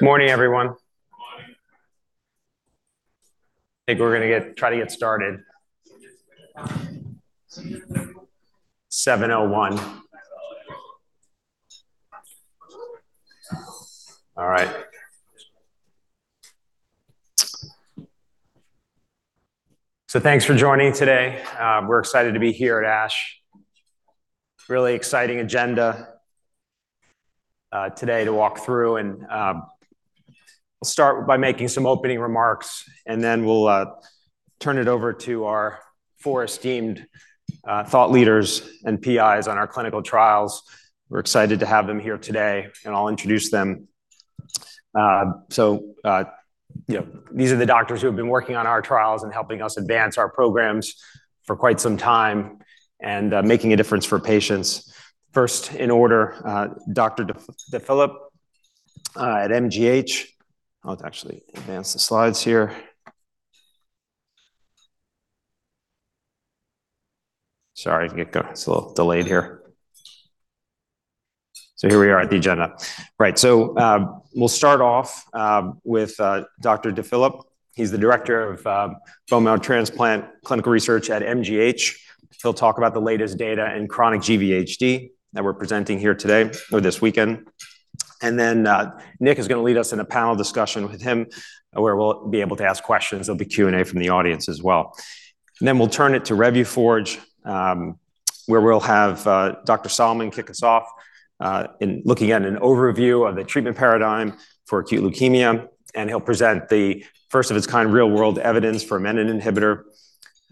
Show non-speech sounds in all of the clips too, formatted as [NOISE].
Good morning, everyone. I think we're going to try to get started. 7:01. All right, so thanks for joining today. We're excited to be here at ASH. Really exciting agenda today to walk through, and we'll start by making some opening remarks, and then we'll turn it over to our four esteemed thought leaders and PIs on our clinical trials. We're excited to have them here today, and I'll introduce them. So, these are the doctors who have been working on our trials and helping us advance our programs for quite some time and making a difference for patients. First in order, Dr. DeFilipp at MGH. I'll actually advance the slides here. Sorry, it's a little delayed here, so here we are at the agenda. Right, so we'll start off with Dr. DeFilipp. He's the director of bone marrow transplant clinical research at MGH. He'll talk about the latest data in chronic GVHD that we're presenting here today or this weekend. And then Nick is going to lead us in a panel discussion with him where we'll be able to ask questions. There'll be Q&A from the audience as well. And then we'll turn it to Revuforj, where we'll have Dr. Sallman kick us off looking at an overview of the treatment paradigm for acute leukemia. And he'll present the first-of-its-kind real-world evidence for a menin inhibitor.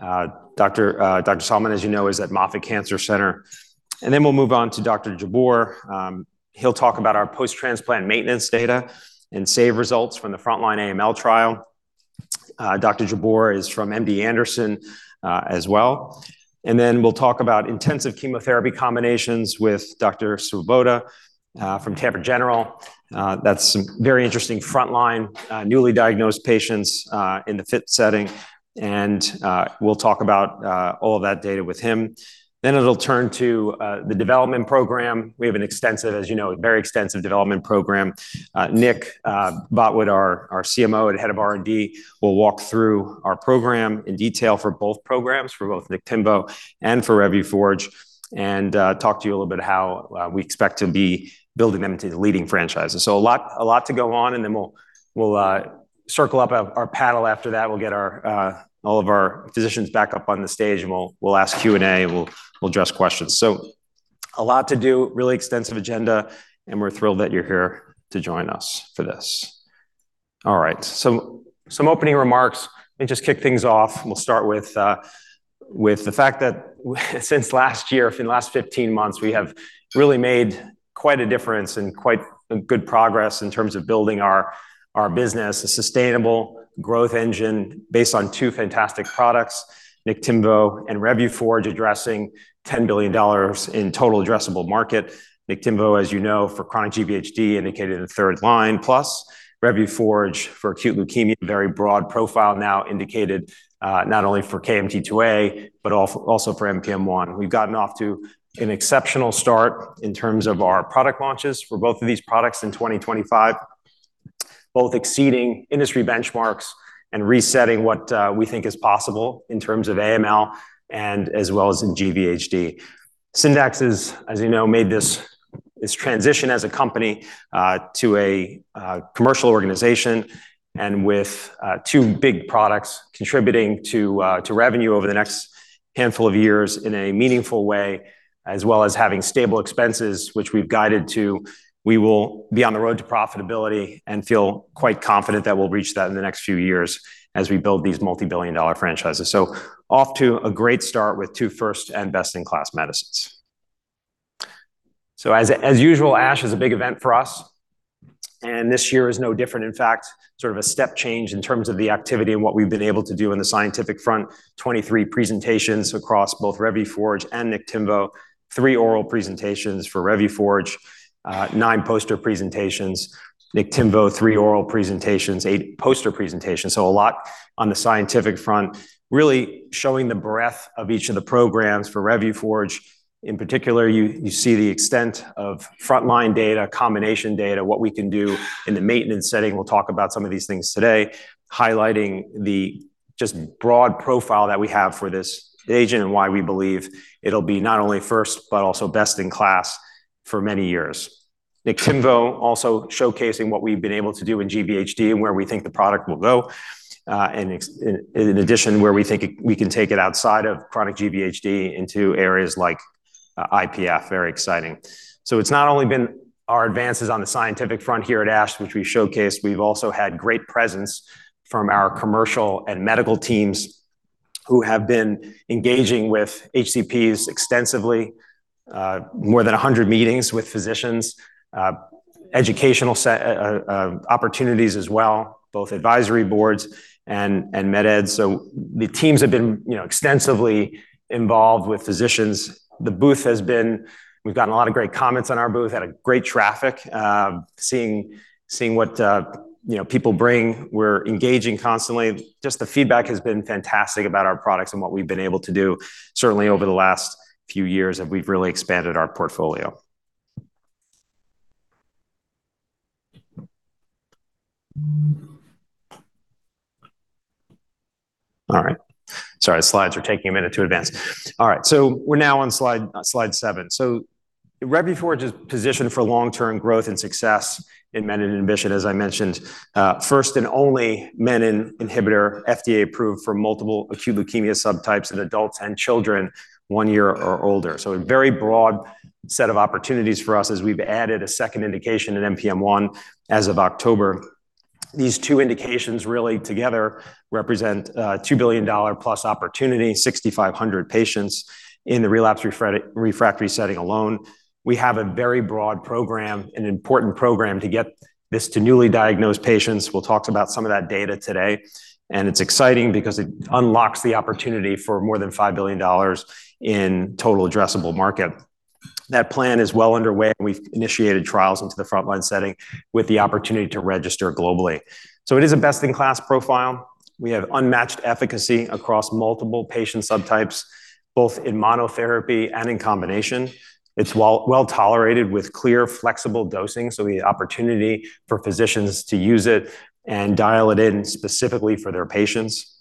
Dr. Sallman, as you know, is at Moffitt Cancer Center. And then we'll move on to Dr. Jabbour. He'll talk about our post-transplant maintenance data and SAVE results from the frontline AML trial. Dr. Jabbour is from MD Anderson as well. And we'll talk about intensive chemotherapy combinations with Dr. Swoboda from Tampa General. That's some very interesting frontline newly diagnosed patients in the fit setting. And we'll talk about all of that data with him. Then it'll turn to the development program. We have an extensive, as you know, very extensive development program. Nick Botwood, our CMO and Head of R&D, will walk through our program in detail for both programs, for both Niktimvo and for Revuforj, and talk to you a little bit about how we expect to be building them into leading franchises, so a lot to go on, and then we'll circle up our panel after that. We'll get all of our physicians back up on the stage, and we'll ask Q&A. We'll address questions, so a lot to do, really extensive agenda, and we're thrilled that you're here to join us for this. All right, so some opening remarks. Let me just kick things off. We'll start with the fact that since last year, in the last 15 months, we have really made quite a difference and quite good progress in terms of building our business, a sustainable growth engine based on two fantastic products, Niktimvo and Revuforj, addressing $10 billion in total addressable market. Niktimvo, as you know, for chronic GVHD, indicated in the third line, plus Revuforj for acute leukemia, very broad profile now indicated not only for KMT2A, but also for NPM1. We've gotten off to an exceptional start in terms of our product launches for both of these products in 2025, both exceeding industry benchmarks and resetting what we think is possible in terms of AML and as well as in GVHD. Syndax, as you know, made this transition as a company to a commercial organization and with two big products contributing to revenue over the next handful of years in a meaningful way, as well as having stable expenses, which we've guided to. We will be on the road to profitability and feel quite confident that we'll reach that in the next few years as we build these multi-billion-dollar franchises. So, off to a great start with two first- and best-in-class medicines. So, as usual, ASH is a big event for us. And this year is no different. In fact, sort of a step change in terms of the activity and what we've been able to do in the scientific front: 23 presentations across both Revuforj and Niktimvo, three oral presentations for Revuforj, nine poster presentations, Niktimvo three oral presentations, eight poster presentations. So a lot on the scientific front, really showing the breadth of each of the programs for Revuforj. In particular, you see the extent of frontline data, combination data, what we can do in the maintenance setting. We'll talk about some of these things today, highlighting the just broad profile that we have for this agent and why we believe it'll be not only first, but also best in class for many years. Niktimvo also showcasing what we've been able to do in GVHD and where we think the product will go, and in addition, where we think we can take it outside of chronic GVHD into areas like IPF, very exciting. It's not only been our advances on the scientific front here at ASH, which we showcased. We've also had great presence from our commercial and medical teams who have been engaging with HCPs extensively, more than 100 meetings with physicians, educational opportunities as well, both advisory boards and med ed. So the teams have been extensively involved with physicians. The booth has been. We've gotten a lot of great comments on our booth, had great traffic, seeing what people bring. We're engaging constantly. Just the feedback has been fantastic about our products and what we've been able to do. Certainly, over the last few years, we've really expanded our portfolio. All right. Sorry, slides are taking a minute to advance. All right. So we're now on slide seven. So Revuforj is positioned for long-term growth and success in menin inhibition, as I mentioned. First and only menin inhibitor, FDA approved for multiple acute leukemia subtypes in adults and children one year or older. So a very broad set of opportunities for us as we've added a second indication in NPM1 as of October. These two indications really together represent $2 billion-plus opportunity, 6,500 patients in the relapsed refractory setting alone. We have a very broad program, an important program to get this to newly diagnosed patients. We'll talk about some of that data today. And it's exciting because it unlocks the opportunity for more than $5 billion in total addressable market. That plan is well underway. We've initiated trials into the frontline setting with the opportunity to register globally. So it is a best-in-class profile. We have unmatched efficacy across multiple patient subtypes, both in monotherapy and in combination. It's well tolerated with clear, flexible dosing. So the opportunity for physicians to use it and dial it in specifically for their patients.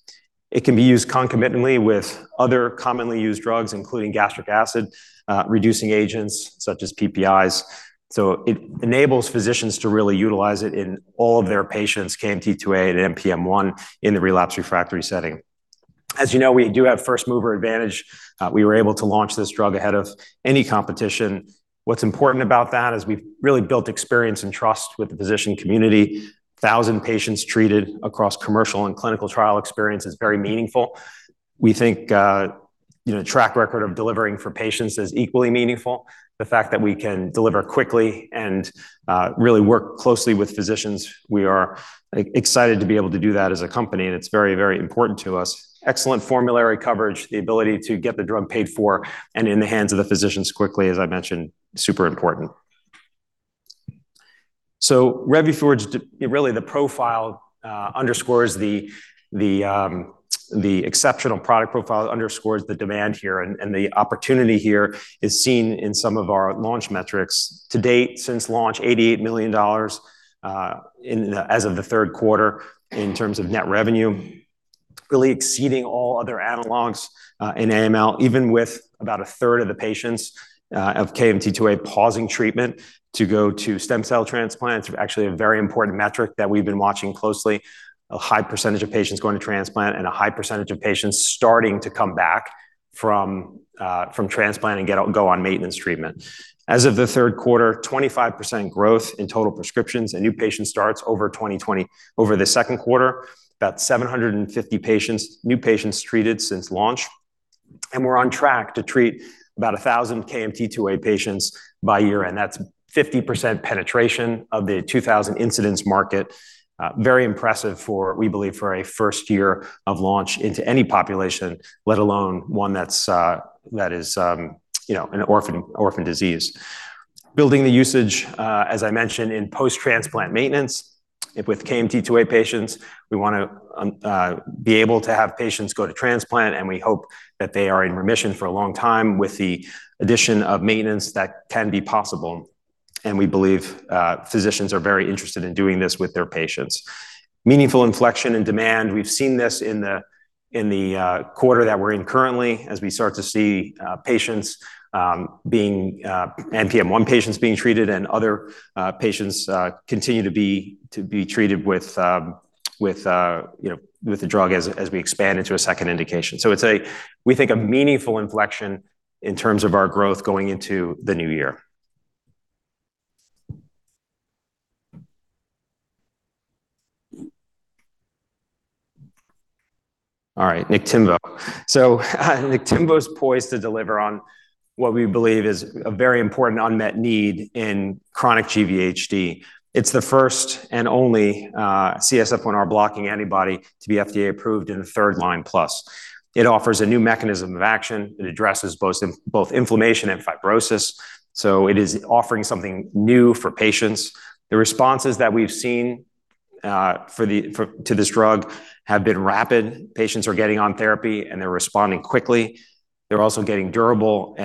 It can be used concomitantly with other commonly used drugs, including gastric acid reducing agents such as PPIs. So it enables physicians to really utilize it in all of their patients, KMT2A and NPM1, in the relapsed refractory setting. As you know, we do have first-mover advantage. We were able to launch this drug ahead of any competition. What's important about that is we've really built experience and trust with the physician community. 1,000 patients treated across commercial and clinical trial experience is very meaningful. We think the track record of delivering for patients is equally meaningful. The fact that we can deliver quickly and really work closely with physicians, we are excited to be able to do that as a company, and it's very, very important to us. Excellent formulary coverage, the ability to get the drug paid for and in the hands of the physicians quickly, as I mentioned, super important, so Revuforj really underscores the exceptional product profile, underscores the demand here, and the opportunity here is seen in some of our launch metrics. To date, since launch, $88 million as of the third quarter in terms of net revenue, really exceeding all other analogs in AML, even with about a third of the patients of KMT2A pausing treatment to go to stem cell transplants. Actually, a very important metric that we've been watching closely, a high percentage of patients going to transplant and a high percentage of patients starting to come back from transplant and go on maintenance treatment. As of the third quarter, 25% growth in total prescriptions and new patient starts over 2020. Over the second quarter, about 750 new patients treated since launch, and we're on track to treat about 1,000 KMT2A patients by year, and that's 50% penetration of the 2,000 incidence market. Very impressive, we believe, for a first year of launch into any population, let alone one that is an orphan disease. Building the usage, as I mentioned, in post-transplant maintenance with KMT2A patients. We want to be able to have patients go to transplant, and we hope that they are in remission for a long time with the addition of maintenance that can be possible, and we believe physicians are very interested in doing this with their patients. Meaningful inflection in demand. We've seen this in the quarter that we're in currently as we start to see patients being NPM1 patients being treated and other patients continue to be treated with the drug as we expand into a second indication. So we think a meaningful inflection in terms of our growth going into the new year. All right. Niktimvo. So Niktimvo is poised to deliver on what we believe is a very important unmet need in chronic GVHD. It's the first and only CSF-1R blocking antibody to be FDA approved in third line plus. It offers a new mechanism of action. It addresses both inflammation and fibrosis. So it is offering something new for patients. The responses that we've seen to this drug have been rapid. Patients are getting on therapy, and they're responding quickly. They're also getting durable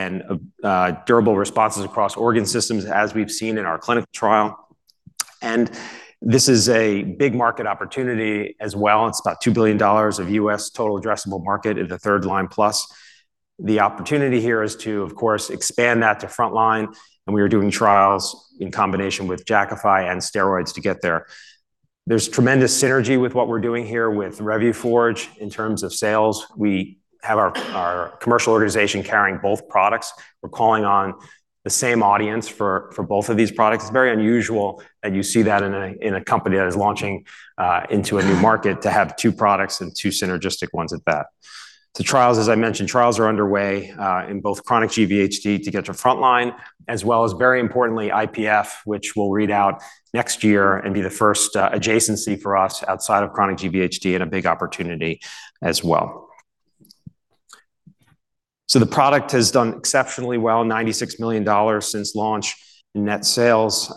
responses across organ systems as we've seen in our clinical trial. This is a big market opportunity as well. It's about $2 billion of U.S. total addressable market in the third line plus. The opportunity here is to, of course, expand that to frontline. We are doing trials in combination with Jakafi and steroids to get there. There's tremendous synergy with what we're doing here with Revuforj in terms of sales. We have our commercial organization carrying both products. We're calling on the same audience for both of these products. It's very unusual that you see that in a company that is launching into a new market to have two products and two synergistic ones at that. The trials, as I mentioned, trials are underway in both chronic GVHD to get to frontline, as well as, very importantly, IPF, which we'll read out next year and be the first adjacency for us outside of chronic GVHD and a big opportunity as well. So the product has done exceptionally well, $96 million since launch in net sales.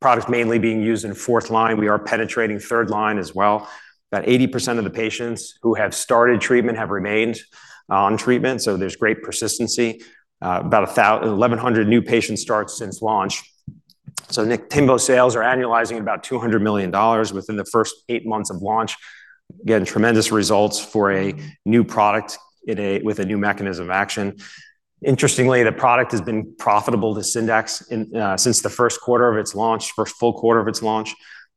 Product mainly being used in fourth line. We are penetrating third line as well. About 80% of the patients who have started treatment have remained on treatment. So there's great persistency. About 1,100 new patient starts since launch. So Niktimvo sales are annualizing about $200 million within the first eight months of launch, getting tremendous results for a new product with a new mechanism of action. Interestingly, the product has been profitable to Syndax since the first quarter of its launch, first full quarter of its launch.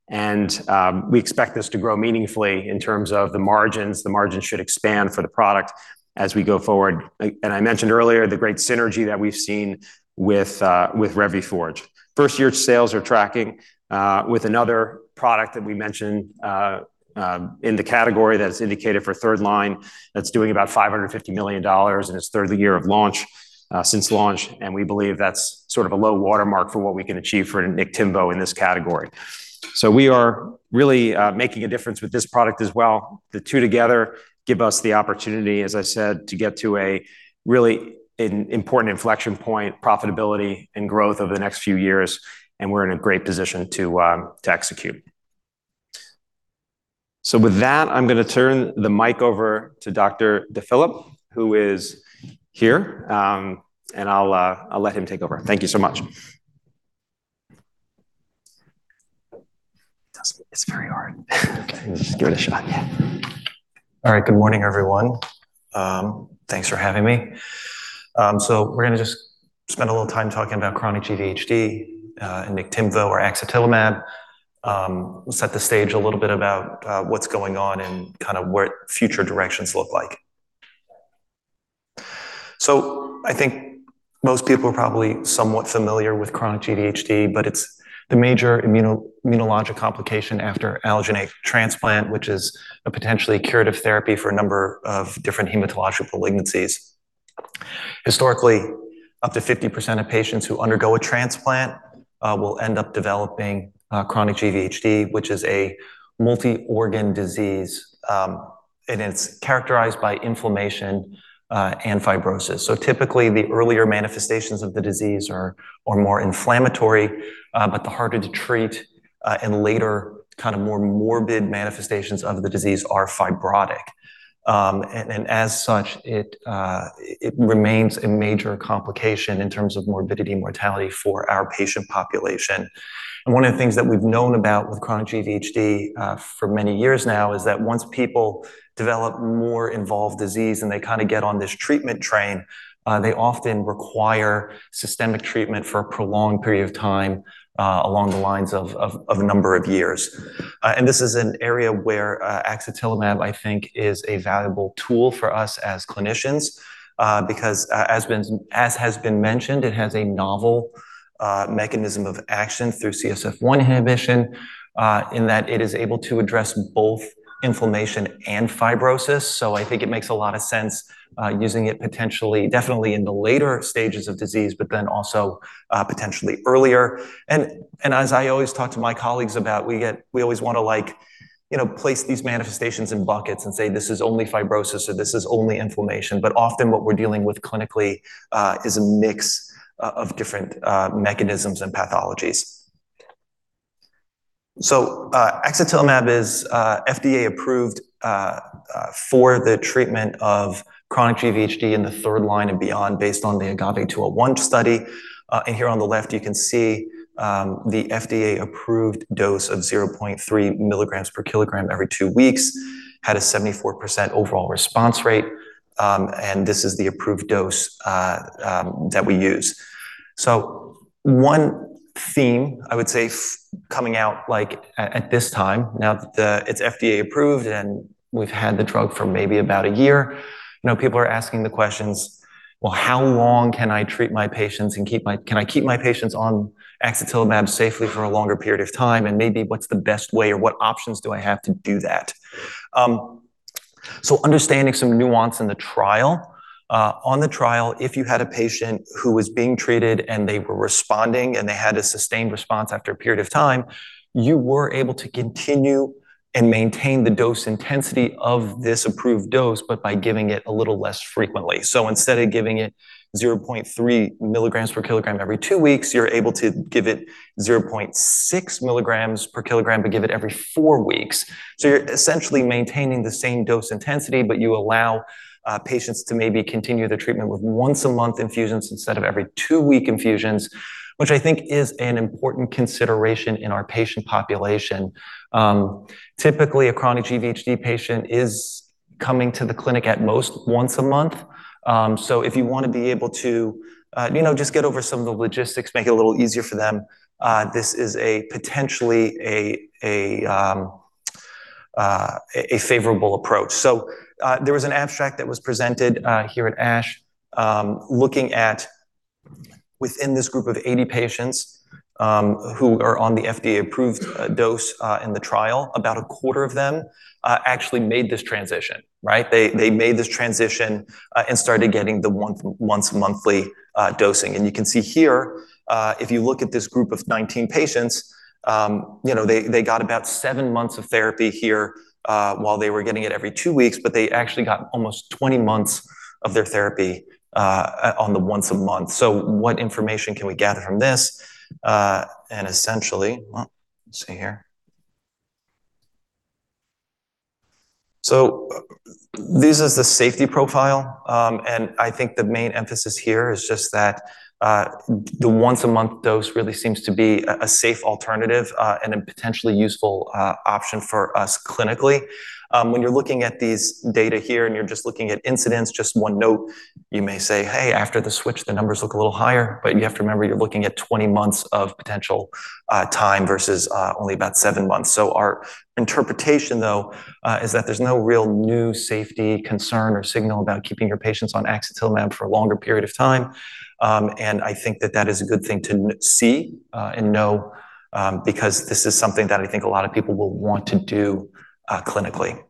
We expect this to grow meaningfully in terms of the margins. The margins should expand for the product as we go forward. And I mentioned earlier the great synergy that we've seen with Revuforj. First year sales are tracking with another product that we mentioned in the category that is indicated for third line. That's doing about $550 million in its third year of launch since launch. And we believe that's sort of a low watermark for what we can achieve for Niktimvo in this category. So we are really making a difference with this product as well. The two together give us the opportunity, as I said, to get to a really important inflection point, profitability and growth over the next few years. And we're in a great position to execute. So with that, I'm going to turn the mic over to Dr. DeFilipp, who is here. And I'll let him take over. Thank you so much. Just give it a shot. Yeah. All right. Good morning, everyone. Thanks for having me. So we're going to just spend a little time talking about chronic GVHD and Niktimvo or axatilimab. We'll set the stage a little bit about what's going on and kind of what future directions look like. So I think most people are probably somewhat familiar with chronic GVHD, but it's the major immunologic complication after allogeneic transplant, which is a potentially curative therapy for a number of different hematological malignancies. Historically, up to 50% of patients who undergo a transplant will end up developing chronic GVHD, which is a multi-organ disease. And it's characterized by inflammation and fibrosis. So typically, the earlier manifestations of the disease are more inflammatory, but the harder to treat and later kind of more morbid manifestations of the disease are fibrotic. And as such, it remains a major complication in terms of morbidity and mortality for our patient population. And one of the things that we've known about with chronic GVHD for many years now is that once people develop more involved disease and they kind of get on this treatment train, they often require systemic treatment for a prolonged period of time along the lines of a number of years. And this is an area where axatilimab, I think, is a valuable tool for us as clinicians because, as has been mentioned, it has a novel mechanism of action through CSF-1 inhibition in that it is able to address both inflammation and fibrosis. I think it makes a lot of sense using it potentially, definitely in the later stages of disease, but then also potentially earlier. And as I always talk to my colleagues about, we always want to place these manifestations in buckets and say, "This is only fibrosis or this is only inflammation." But often what we're dealing with clinically is a mix of different mechanisms and pathologies. Axatilimab is FDA-approved for the treatment of chronic GVHD in the third line and beyond based on the AGAVE-201 study. And here on the left, you can see the FDA-approved dose of 0.3 mg per kg every two weeks had a 74% overall response rate. And this is the approved dose that we use. One theme I would say coming out at this time, now that it's FDA approved and we've had the drug for maybe about a year, people are asking the questions, "Well, how long can I treat my patients and can I keep my patients on axatilimab safely for a longer period of time? And maybe what's the best way or what options do I have to do that?" Understanding some nuance in the trial. On the trial, if you had a patient who was being treated and they were responding and they had a sustained response after a period of time, you were able to continue and maintain the dose intensity of this approved dose, but by giving it a little less frequently. So instead of giving it 0.3 mg per kg every two weeks, you're able to give it 0.6 mg per kg, but give it every four weeks. So you're essentially maintaining the same dose intensity, but you allow patients to maybe continue the treatment with once-a-month infusions instead of every two-week infusions, which I think is an important consideration in our patient population. Typically, a chronic GVHD patient is coming to the clinic at most once a month. So if you want to be able to just get over some of the logistics, make it a little easier for them, this is potentially a favorable approach. So there was an abstract that was presented here at ASH looking at within this group of 80 patients who are on the FDA-approved dose in the trial, about a quarter of them actually made this transition. They made this transition and started getting the once-monthly dosing. And you can see here, if you look at this group of 19 patients, they got about seven months of therapy here while they were getting it every two weeks, but they actually got almost 20 months of their therapy on the once-a-month. So what information can we gather from this? And essentially, let's see here. So this is the safety profile. And I think the main emphasis here is just that the once-a-month dose really seems to be a safe alternative and a potentially useful option for us clinically. When you're looking at these data here and you're just looking at incidence, just one note, you may say, "Hey, after the switch, the numbers look a little higher." But you have to remember you're looking at 20 months of potential time versus only about seven months. Our interpretation, though, is that there's no real new safety concern or signal about keeping your patients on axatilimab for a longer period of time. I think that that is a good thing to see and know because this is something that I think a lot of people will want to do clinically.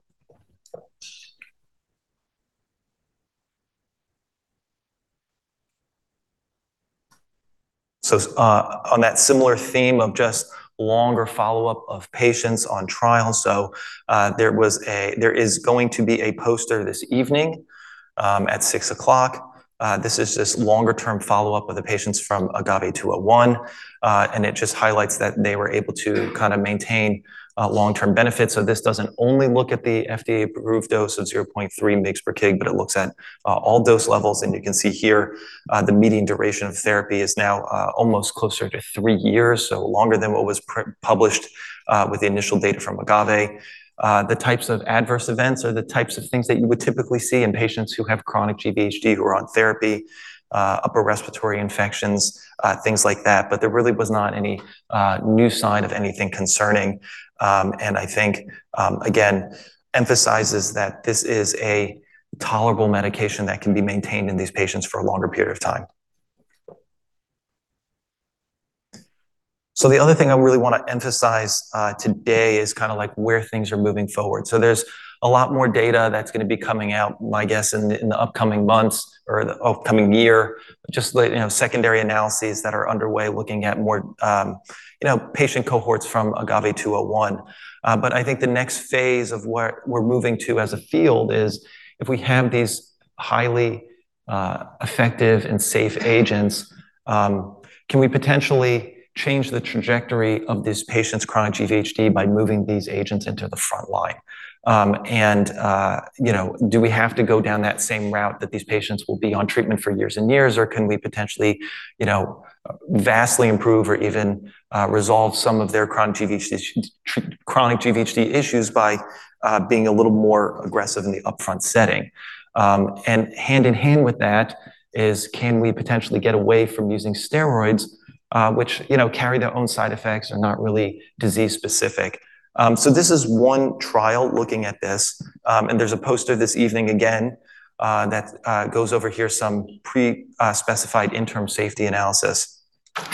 On that similar theme of just longer follow-up of patients on trial, there is going to be a poster this evening at 6:00 P.M. This is just longer-term follow-up of the patients from AGAVE-201. It just highlights that they were able to kind of maintain long-term benefits. This doesn't only look at the FDA-approved dose of 0.3 mg per kg, but it looks at all dose levels. You can see here the median duration of therapy is now almost closer to three years, so longer than what was published with the initial data from AGAVE. The types of adverse events are the types of things that you would typically see in patients who have chronic GVHD who are on therapy, upper respiratory infections, things like that. There really was not any new sign of anything concerning. I think, again, emphasizes that this is a tolerable medication that can be maintained in these patients for a longer period of time. The other thing I really want to emphasize today is kind of like where things are moving forward. There's a lot more data that's going to be coming out, my guess, in the upcoming months or the upcoming year, just secondary analyses that are underway looking at more patient cohorts from AGAVE-201. I think the next phase of where we're moving to as a field is if we have these highly effective and safe agents, can we potentially change the trajectory of these patients' chronic GVHD by moving these agents into the front line? And do we have to go down that same route that these patients will be on treatment for years and years, or can we potentially vastly improve or even resolve some of their chronic GVHD issues by being a little more aggressive in the upfront setting? And hand in hand with that is, can we potentially get away from using steroids, which carry their own side effects and are not really disease-specific? So this is one trial looking at this. And there's a poster this evening again that goes over here some pre-specified interim safety analysis.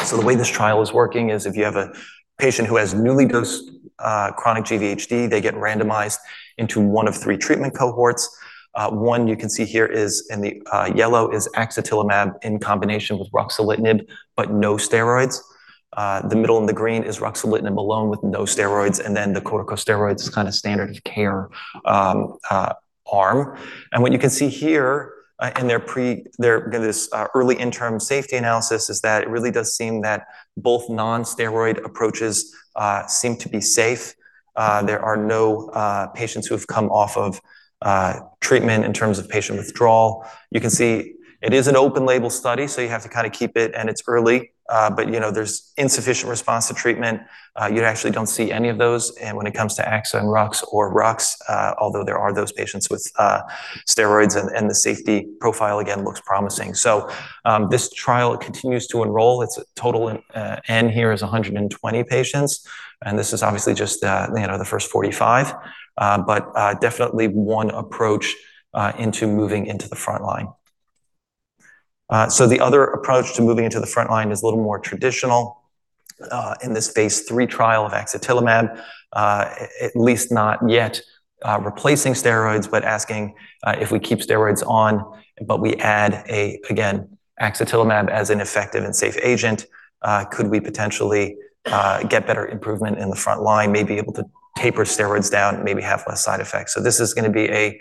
The way this trial is working is if you have a patient who has newly diagnosed chronic GVHD, they get randomized into one of three treatment cohorts. One you can see here in the yellow is axatilimab in combination with ruxolitinib, but no steroids. The middle and the green is ruxolitinib alone with no steroids. And then the corticosteroids is kind of standard of care arm. And what you can see here in this early interim safety analysis is that it really does seem that both non-steroid approaches seem to be safe. There are no patients who have come off of treatment in terms of patient withdrawal. You can see it is an open-label study, so you have to kind of keep it, and it's early. But there's insufficient response to treatment. You actually don't see any of those. When it comes to axa and rux or rux, although there are those patients with steroids, and the safety profile, again, looks promising. This trial continues to enroll. It's a total N here is 120 patients. This is obviously just the first 45, but definitely one approach into moving into the front line. The other approach to moving into the front line is a little more traditional in this Phase III trial of axatilimab, at least not yet replacing steroids, but asking if we keep steroids on, but we add, again, axatilimab as an effective and safe agent. Could we potentially get better improvement in the front line, maybe able to taper steroids down, maybe have less side effects? This is going to be a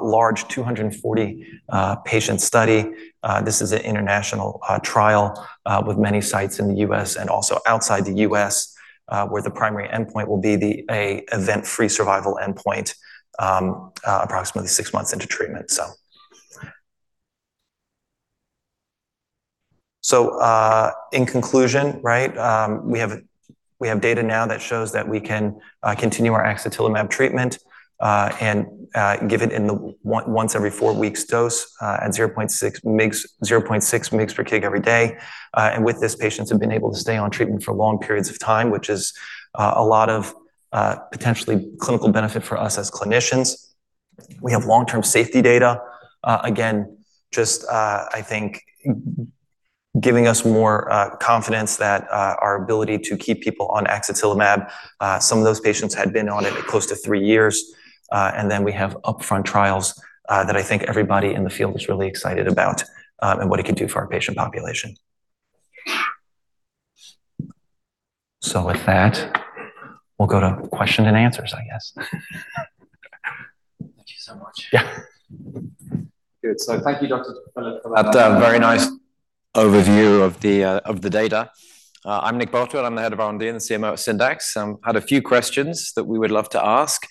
large 240-patient study. This is an international trial with many sites in the U.S. and also outside the U.S., where the primary endpoint will be an event-free survival endpoint approximately six months into treatment. In conclusion, we have data now that shows that we can continue our axatilimab treatment and give it in the once-every-four-weeks dose at 0.6 mg per kg every day. With this, patients have been able to stay on treatment for long periods of time, which is a lot of potentially clinical benefit for us as clinicians. We have long-term safety data, again, just I think giving us more confidence that our ability to keep people on axatilimab. Some of those patients had been on it close to three years. Then we have upfront trials that I think everybody in the field is really excited about and what it could do for our patient population. So with that, we'll go to questions and answers, I guess. Thank you so much. Yeah. Good. So thank you, Dr. A very nice overview of the data. I'm Nick Botwood. I'm the Head of R&D and CMO at Syndax. I've had a few questions that we would love to ask.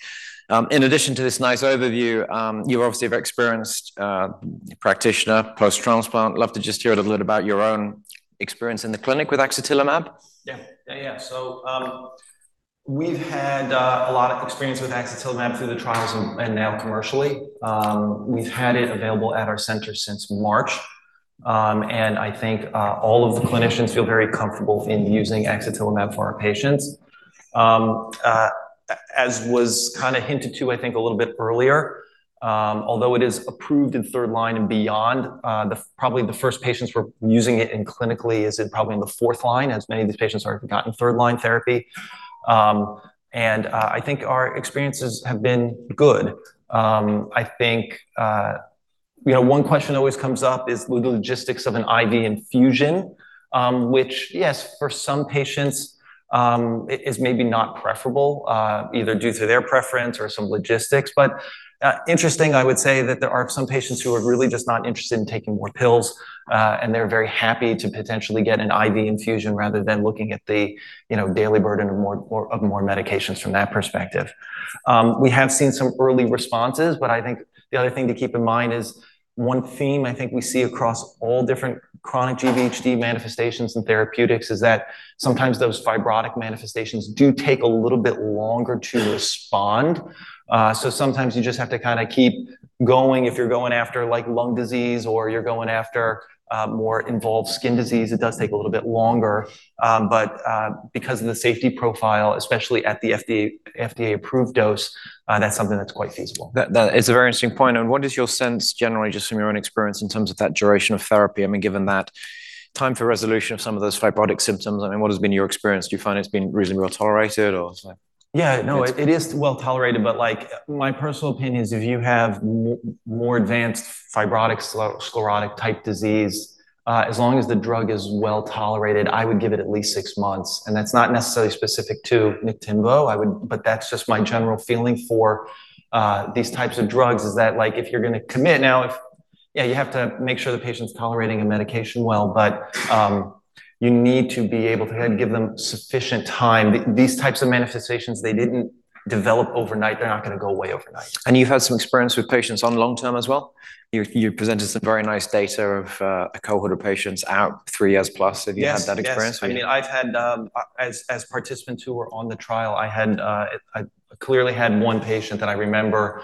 In addition to this nice overview, you're obviously a very experienced practitioner, post-transplant. Love to just hear a little bit about your own experience in the clinic with axatilimab. Yeah. Yeah. Yeah. So we've had a lot of experience with axatilimab through the trials and now commercially. We've had it available at our center since March, and I think all of the clinicians feel very comfortable in using axatilimab for our patients, as was kind of hinted to, I think, a little bit earlier. Although it is approved in third line and beyond, probably the first patients we're using it in clinically is probably in the fourth line, as many of these patients are gotten third-line therapy. And I think our experiences have been good. I think one question always comes up is the logistics of an IV infusion, which, yes, for some patients, it is maybe not preferable, either due to their preference or some logistics. But interesting, I would say that there are some patients who are really just not interested in taking more pills, and they're very happy to potentially get an IV infusion rather than looking at the daily burden of more medications from that perspective. We have seen some early responses, but I think the other thing to keep in mind is one theme I think we see across all different chronic GVHD manifestations and therapeutics is that sometimes those fibrotic manifestations do take a little bit longer to respond. So sometimes you just have to kind of keep going. If you're going after lung disease or you're going after more involved skin disease, it does take a little bit longer. But because of the safety profile, especially at the FDA-approved dose, that's something that's quite feasible. That is a very interesting point. And what is your sense generally, just from your own experience in terms of that duration of therapy? I mean, given that time for resolution of some of those fibrotic symptoms, I mean, what has been your experience? Do you find it's been reasonably well tolerated or? Yeah. No, it is well tolerated. But my personal opinion is if you have more advanced fibrotic sclerotic-type disease, as long as the drug is well tolerated, I would give it at least six months. And that's not necessarily specific to Niktimvo, but that's just my general feeling for these types of drugs is that if you're going to commit now, yeah, you have to make sure the patient's tolerating a medication well, but you need to be able to give them sufficient time. These types of manifestations, they didn't develop overnight. They're not going to go away overnight. And you've had some experience with patients on long-term as well? You presented some very nice data of a cohort of patients out three years plus. Have you had that experience? Yeah. I mean, I've had, as participants who were on the trial, I clearly had one patient that I remember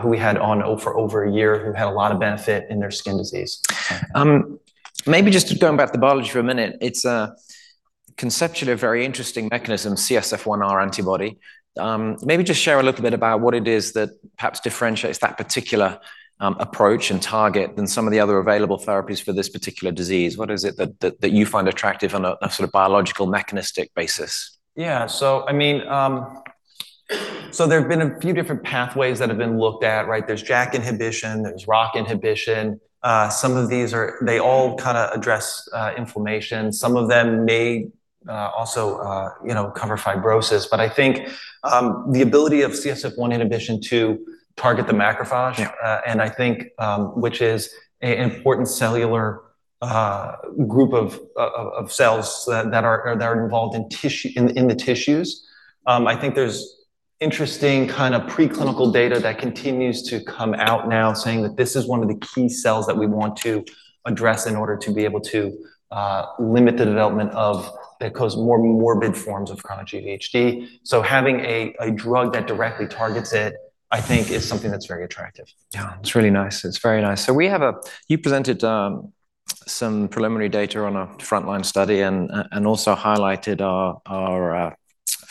who we had on for over a year who had a lot of benefit in their skin disease. Maybe just going back to biology for a minute, it's a conceptually very interesting mechanism, CSF-1R antibody. Maybe just share a little bit about what it is that perhaps differentiates that particular approach and target than some of the other available therapies for this particular disease. What is it that you find attractive on a sort of biological mechanistic basis? Yeah. So I mean, so there have been a few different pathways that have been looked at, right? There's JAK inhibition. There's ROCK inhibition. Some of these are they all kind of address inflammation. Some of them may also cover fibrosis. But I think the ability of CSF-1 inhibition to target the macrophage, which is an important cellular group of cells that are involved in the tissues. I think there's interesting kind of preclinical data that continues to come out now saying that this is one of the key cells that we want to address in order to be able to limit the development of that cause more morbid forms of chronic GVHD. So having a drug that directly targets it, I think, is something that's very attractive. Yeah. It's really nice. It's very nice. So you presented some preliminary data on a frontline study and also highlighted our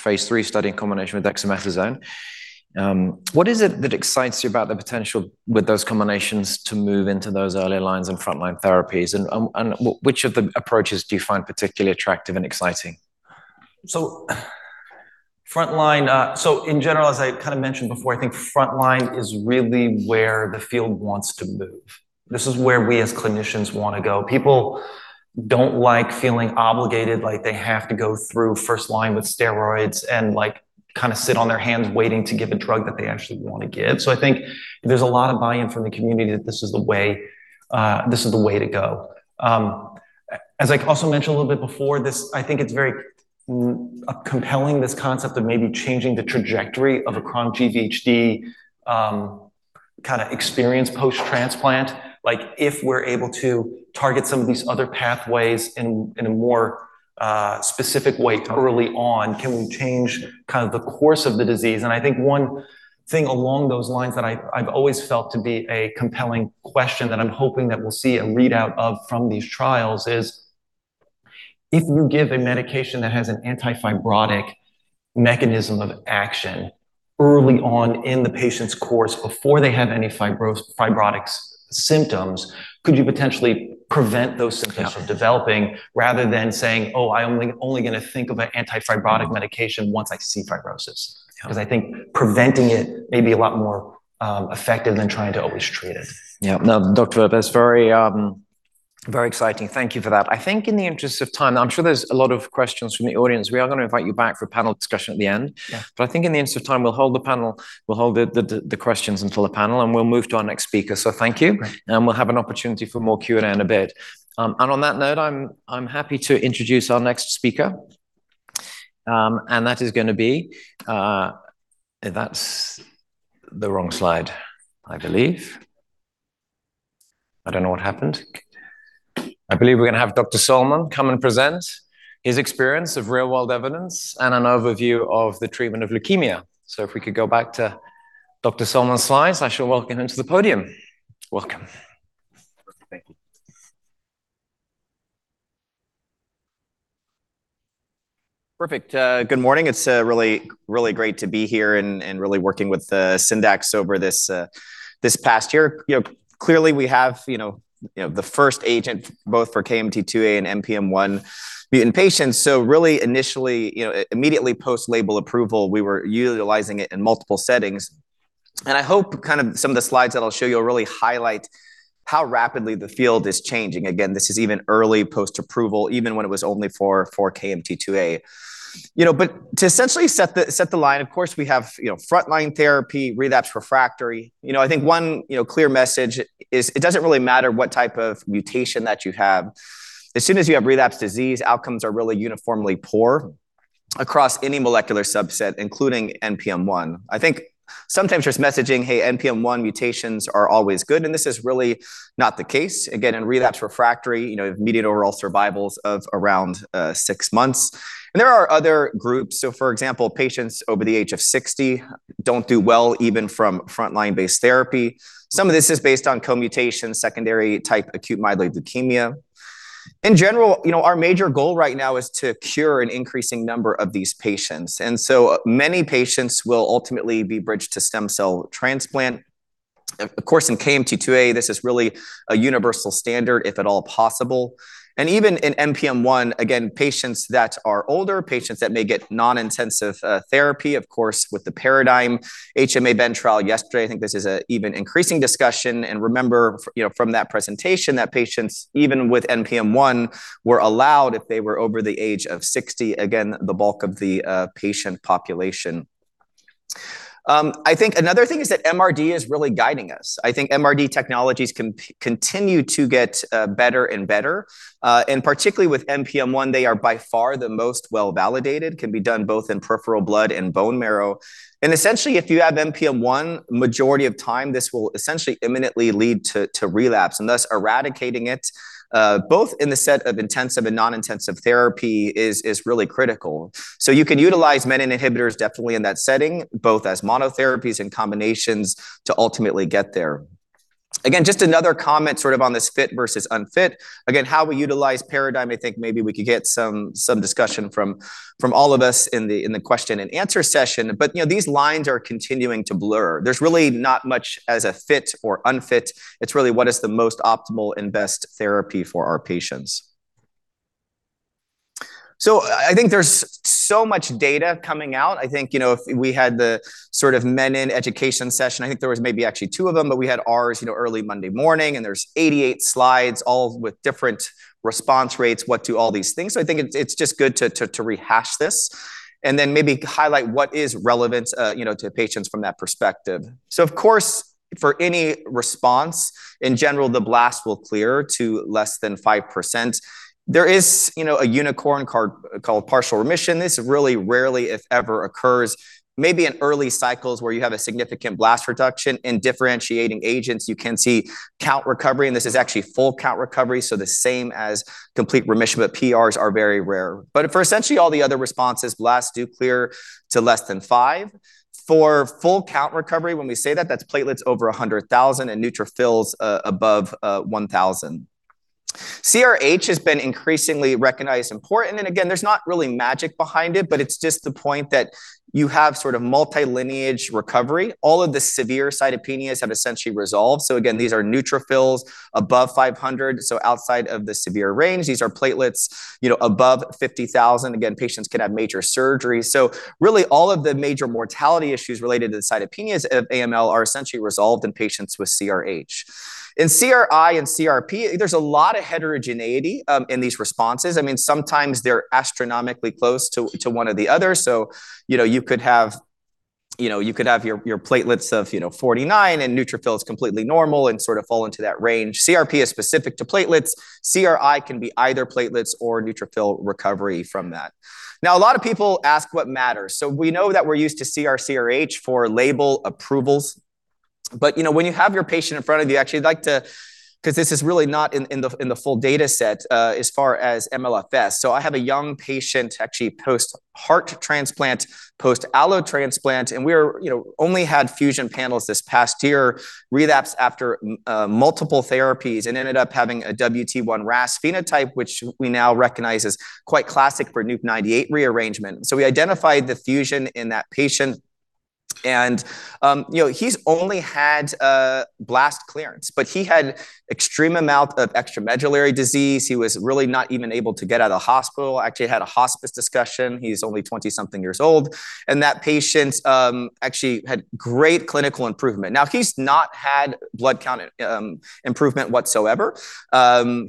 Phase III study in combination with dexamethasone. What is it that excites you about the potential with those combinations to move into those earlier lines and frontline therapies? And which of the approaches do you find particularly attractive and exciting? So, frontline. So in general, as I kind of mentioned before, I think frontline is really where the field wants to move. This is where we as clinicians want to go. People don't like feeling obligated like they have to go through first line with steroids and kind of sit on their hands waiting to give a drug that they actually want to give. So I think there's a lot of buy-in from the community that this is the way to go. As I also mentioned a little bit before, I think it's very compelling, this concept of maybe changing the trajectory of a chronic GVHD kind of experience post-transplant. If we're able to target some of these other pathways in a more specific way early on, can we change kind of the course of the disease? And I think one thing along those lines that I've always felt to be a compelling question that I'm hoping that we'll see a readout of from these trials is if you give a medication that has an antifibrotic mechanism of action early on in the patient's course before they have any fibrotic symptoms, could you potentially prevent those symptoms from developing rather than saying, "Oh, I'm only going to think of an antifibrotic medication once I see fibrosis"? Because I think preventing it may be a lot more effective than trying to always treat it. Yeah. No, doctor, that's very exciting. Thank you for that. I think in the interest of time, I'm sure there's a lot of questions from the audience. We are going to invite you back for panel discussion at the end. But I think in the interest of time, we'll hold the panel. We'll hold the questions until the panel, and we'll move to our next speaker, so thank you, and we'll have an opportunity for more Q&A in a bit, and on that note, I'm happy to introduce our next speaker, and that is going to be, that's the wrong slide, I believe. I don't know what happened. I believe we're going to have Dr. Sallman come and present his experience of real-world evidence and an overview of the treatment of leukemia, so if we could go back to Dr. Sallman's slides, I shall welcome him to the podium. Welcome. Thank you. Perfect. Good morning. It's really great to be here and really working with Syndax over this past year. Clearly, we have the first agent, both for KMT2A and NPM1 mutant patients, so really, initially, immediately post-label approval, we were utilizing it in multiple settings. I hope kind of some of the slides that I'll show you will really highlight how rapidly the field is changing. Again, this is even early post-approval, even when it was only for KMT2A. To essentially set the landscape, of course, we have frontline therapy, relapsed refractory. I think one clear message is it doesn't really matter what type of mutation that you have. As soon as you have relapse disease, outcomes are really uniformly poor across any molecular subset, including NPM1. I think sometimes just messaging, "Hey, NPM1 mutations are always good," and this is really not the case. Again, in relapsed refractory, median overall survival is around six months. There are other groups. For example, patients over the age of 60 don't do well even from frontline-based therapy. Some of this is based on co-mutation, secondary-type acute myeloid leukemia. In general, our major goal right now is to cure an increasing number of these patients. And so many patients will ultimately be bridged to stem cell transplant. Of course, in KMT2A, this is really a universal standard, if at all possible. And even in NPM1, again, patients that are older, patients that may get non-intensive therapy, of course, with the paradigm HMA/Ven trial yesterday, I think this is an even increasing discussion. And remember, from that presentation, that patients, even with NPM1, were allowed if they were over the age of 60, again, the bulk of the patient population. I think another thing is that MRD is really guiding us. I think MRD technologies continue to get better and better. And particularly with NPM1, they are by far the most well-validated, can be done both in peripheral blood and bone marrow. And essentially, if you have NPM1, majority of time, this will essentially inevitably lead to relapse. And thus, eradicating it, both in the setting of intensive and non-intensive therapy, is really critical. So you can utilize menin inhibitors definitely in that setting, both as monotherapies and combinations to ultimately get there. Again, just another comment sort of on this fit versus unfit. Again, how we utilize paradigm, I think maybe we could get some discussion from all of us in the question-and-answer session. But these lines are continuing to blur. There's really not much as a fit or unfit. It's really what is the most optimal and best therapy for our patients. So I think there's so much data coming out. I think if we had the sort of menin education session, I think there was maybe actually two of them, but we had ours early Monday morning, and there's 88 slides, all with different response rates, what do all these things. So I think it's just good to rehash this and then maybe highlight what is relevant to patients from that perspective, so of course, for any response, in general, the blast will clear to less than 5%. There is a unicorn called partial remission. This really rarely, if ever, occurs. Maybe in early cycles where you have a significant blast reduction in differentiating agents, you can see count recovery, and this is actually full count recovery, so the same as complete remission, but PRs are very rare, but for essentially all the other responses, blasts do clear to less than 5%. For full count recovery, when we say that, that's platelets over 100,000 and neutrophils above 1,000. CRh has been increasingly recognized important, and again, there's not really magic behind it, but it's just the point that you have sort of multilineage recovery. All of the severe cytopenias have essentially resolved, so again, these are neutrophils above 500, so outside of the severe range. These are platelets above 50,000, again, patients can have major surgeries, so really, all of the major mortality issues related to the cytopenias of AML are essentially resolved in patients with CRh. In CRi and CRp, there's a lot of heterogeneity in these responses. I mean, sometimes they're astronomically close to one or the other, so you could have your platelets of 49 and neutrophils completely normal and sort of fall into that range. CRp is specific to platelets. CRi can be either platelets or neutrophil recovery from that. Now, a lot of people ask what matters. We know that we're used CR/CRh for label approvals. But when you have your patient in front of you, actually, I'd like to because this is really not in the full data set as far as MLFS. I have a young patient, actually, post-heart transplant, post-allo transplant. We only had fusion panels this past year, relapsed after multiple therapies, and ended up having a WT1 RAS phenotype, which we now recognize as quite classic for NUP98 rearrangement. We identified the fusion in that patient. He's only had blast clearance, but he had an extreme amount of extramedullary disease. He was really not even able to get out of the hospital. Actually, he had a hospice discussion. He's only 20-something years old. That patient actually had great clinical improvement. Now, he's not had blood count improvement whatsoever.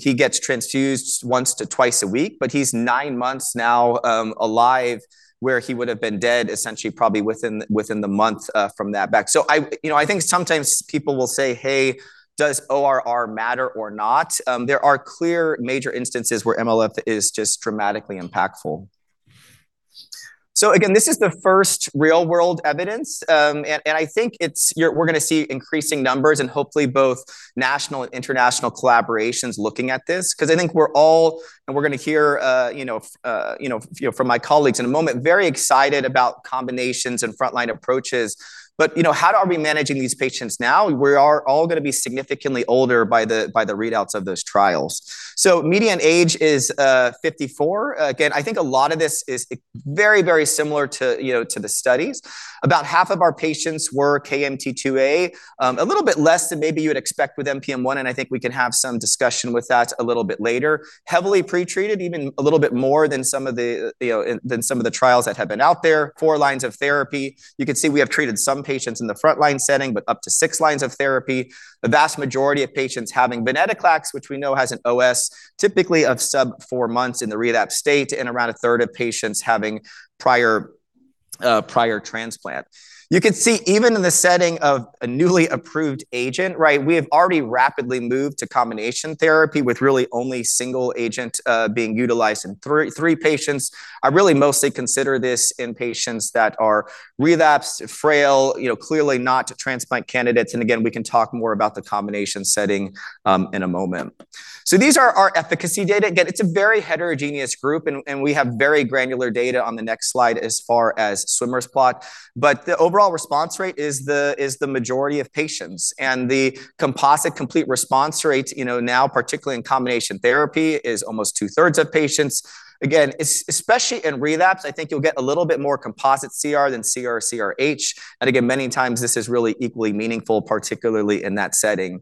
He gets transfused once to twice a week, but he's nine months now alive where he would have been dead, essentially, probably within the month from that back. I think sometimes people will say, "Hey, does ORR matter or not?" There are clear major instances where MLFS is just dramatically impactful. Again, this is the first real-world evidence. And I think we're going to see increasing numbers and hopefully both national and international collaborations looking at this. Because I think we're all, and we're going to hear from my colleagues in a moment, very excited about combinations and frontline approaches. How are we managing these patients now? We are all going to be significantly older by the readouts of those trials. The median age is 54. Again, I think a lot of this is very, very similar to the studies. About half of our patients were KMT2A, a little bit less than maybe you would expect with NPM1. And I think we can have some discussion with that a little bit later. Heavily pretreated, even a little bit more than some of the trials that have been out there. Four lines of therapy. You can see we have treated some patients in the frontline setting, but up to six lines of therapy. The vast majority of patients having venetoclax, which we know has an OS, typically of sub-four months in the relapse state and around a third of patients having prior transplant. You can see even in the setting of a newly approved agent, right, we have already rapidly moved to combination therapy with really only single agent being utilized in three patients. I really mostly consider this in patients that are relapsed, frail, clearly not transplant candidates, and again, we can talk more about the combination setting in a moment, so these are our efficacy data. Again, it's a very heterogeneous group, and we have very granular data on the next slide as far as Swimmer's plot. But the overall response rate is the majority of patients, and the composite complete response rate now, particularly in combination therapy, is almost two-thirds of patients. Again, especially in relapse, I think you'll get a little bit more composite CR than CR/CRh, and again, many times, this is really equally meaningful, particularly in that setting.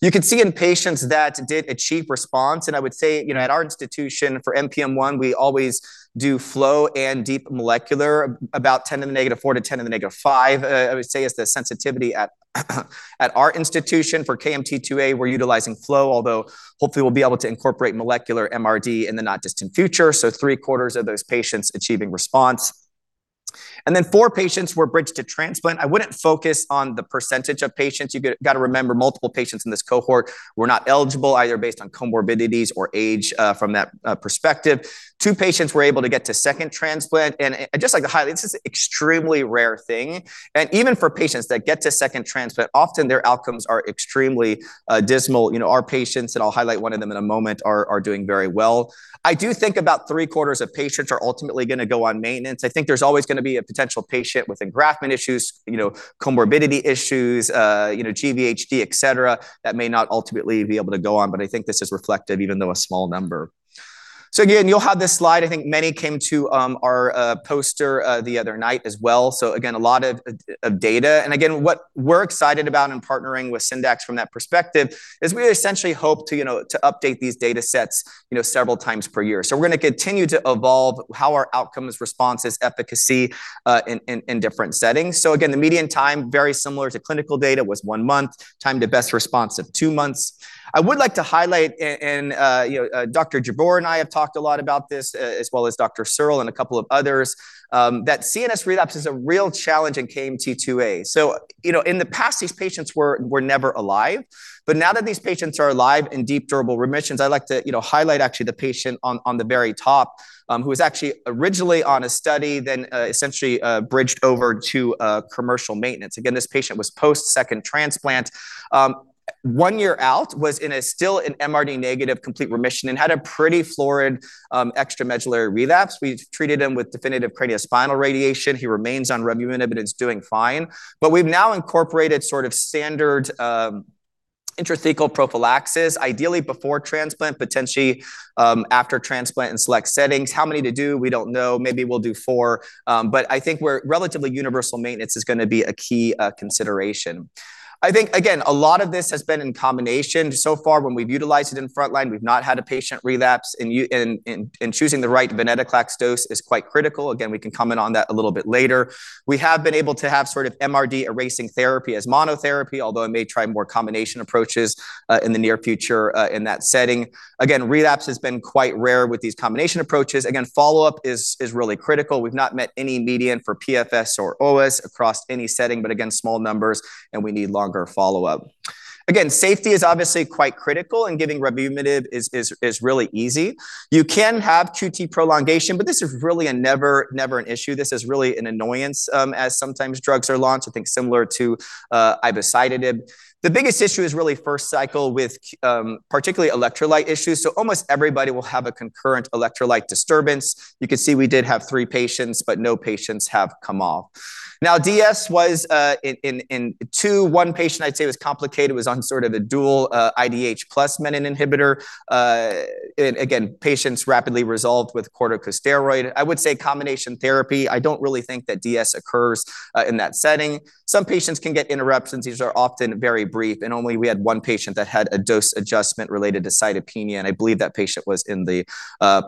You can see in patients that did achieve response. I would say at our institution for NPM1, we always do flow and deep molecular, about 10 to the negative 4 to 10 to the negative 5, I would say, is the sensitivity at our institution. For KMT2A, we're utilizing flow, although hopefully, we'll be able to incorporate molecular MRD in the not distant future. Three-quarters of those patients achieving response. Four patients were bridged to transplant. I wouldn't focus on the percentage of patients. You've got to remember multiple patients in this cohort were not eligible, either based on comorbidities or age from that perspective. Two patients were able to get to second transplant. Just like to highlight, this is an extremely rare thing. Even for patients that get to second transplant, often their outcomes are extremely dismal. Our patients, and I'll highlight one of them in a moment, are doing very well. I do think about three-quarters of patients are ultimately going to go on maintenance. I think there's always going to be a potential patient with engraftment issues, comorbidity issues, GVHD, etc., that may not ultimately be able to go on. But I think this is reflective, even though a small number. So again, you'll have this slide. I think many came to our poster the other night as well. So again, a lot of data. And again, what we're excited about in partnering with Syndax from that perspective is we essentially hope to update these data sets several times per year. So we're going to continue to evolve how our outcomes, responses, efficacy in different settings. So again, the median time, very similar to clinical data, was one month, time to best response of two months. I would like to highlight, and Dr. Jabbour and I have talked a lot about this, as well as Dr. Searle and a couple of others, that CNS relapse is a real challenge in KMT2A. So in the past, these patients were never alive. But now that these patients are alive in deep durable remissions, I'd like to highlight actually the patient on the very top who was actually originally on a study, then essentially bridged over to commercial maintenance. Again, this patient was post-second transplant. One year out, was still an MRD negative complete remission and had a pretty florid extramedullary relapse. We treated him with definitive craniospinal radiation. He remains on revumenib and is doing fine. But we've now incorporated sort of standard intrathecal prophylaxis, ideally before transplant, potentially after transplant in select settings. How many to do, we don't know. Maybe we'll do four. But I think relatively universal maintenance is going to be a key consideration. I think, again, a lot of this has been in combination. So far, when we've utilized it in frontline, we've not had a patient relapse. And choosing the right venetoclax dose is quite critical. Again, we can comment on that a little bit later. We have been able to have sort of MRD erasing therapy as monotherapy, although I may try more combination approaches in the near future in that setting. Again, relapse has been quite rare with these combination approaches. Again, follow-up is really critical. We've not met any median for PFS or OS across any setting, but again, small numbers, and we need longer follow-up. Again, safety is obviously quite critical, and giving revumenib is really easy. You can have QT prolongation, but this is really never an issue. This is really an annoyance, as sometimes drugs are launched, I think, similar to ivosidenib. The biggest issue is really first cycle with particularly electrolyte issues, so almost everybody will have a concurrent electrolyte disturbance. You can see we did have three patients, but no patients have come off. Now, DS was in two. One patient, I'd say, was complicated. It was on sort of a dual IDH plus menin inhibitor, and again, patients rapidly resolved with corticosteroid. I would say combination therapy. I don't really think that DS occurs in that setting. Some patients can get interruptions. These are often very brief, and only we had one patient that had a dose adjustment related to cytopenia, and I believe that patient was in the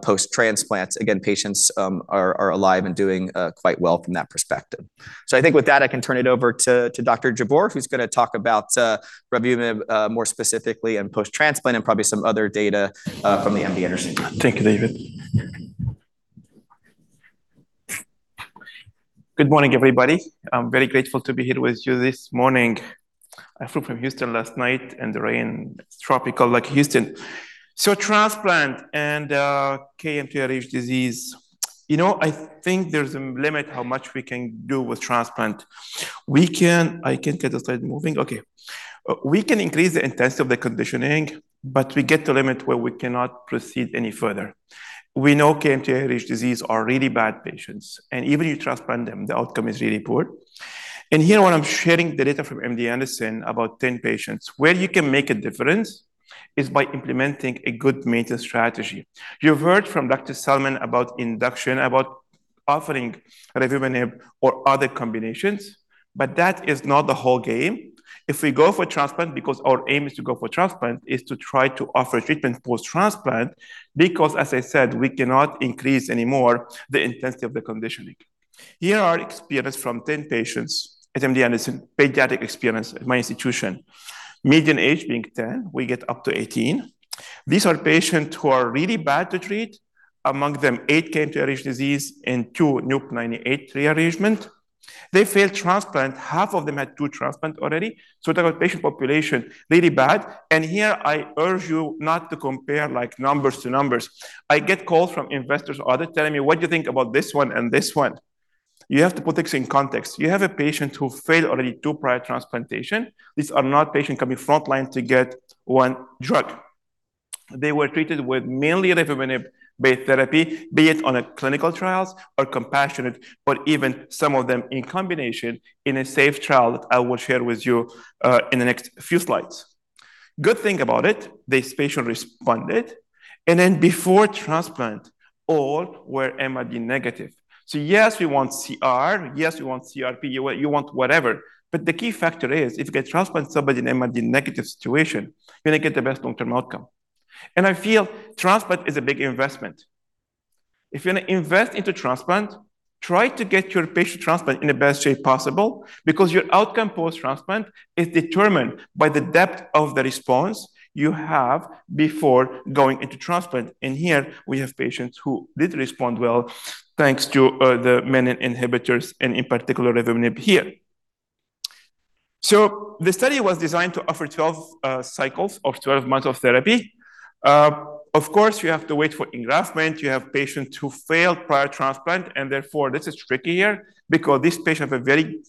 post-transplant. Again, patients are alive and doing quite well from that perspective, so I think with that, I can turn it over to Dr. Jabbour, who's going to talk about revumenib more specifically and post-transplant and probably some other data from the MD Anderson. Thank you, David. Good morning, everybody. I'm very grateful to be here with you this morning. I flew from Houston last night, and the rain is tropical like Houston. So transplant and KMT2Ar disease, I think there's a limit how much we can do with transplant. I can get the slide moving. Okay. We can increase the intensity of the conditioning, but we get to a limit where we cannot proceed any further. We know KMT2Ar disease are really bad patients, and even if you transplant them, the outcome is really poor, and here, when I'm sharing the data from MD Anderson, about 10 patients, where you can make a difference is by implementing a good maintenance strategy. You've heard from Dr. Sallman about induction, about offering revumenib or other combinations but that is not the whole game. If we go for transplant, because our aim is to go for transplant, is to try to offer treatment post-transplant because, as I said, we cannot increase anymore the intensity of the conditioning. Here are experiences from 10 patients at MD Anderson, pediatric experience at my institution. Median age being 10, we get up to 18. These are patients who are really bad to treat. Among them, eight KMT2Ar disease and two NUP98 rearrangement. They failed transplant. Half of them had two transplants already. So that patient population is really bad and here, I urge you not to compare numbers to numbers. I get calls from investors or others telling me, "What do you think about this one and this one?" You have to put things in context. You have a patient who failed already two prior transplantations. These are not patients coming frontline to get one drug. They were treated with mainly revumenib-based therapy, be it on clinical trials or compassionate, or even some of them in combination in a SAVE trial that I will share with you in the next few slides. Good thing about it, these patients responded, and then before transplant, all were MRD negative, so yes, we want CR. Yes, we want CRp. You want whatever, but the key factor is if you get transplanted somebody in an MRD negative situation, you're going to get the best long-term outcome, and I feel transplant is a big investment. If you're going to invest into transplant, try to get your patient transplant in the best shape possible because your outcome post-transplant is determined by the depth of the response you have before going into transplant. Here, we have patients who did respond well thanks to the menin inhibitors and in particular revumenib here. The study was designed to offer 12 cycles of 12 months of therapy. Of course, you have to wait for engraftment. You have patients who failed prior transplant. Therefore, this is trickier because these patients have a very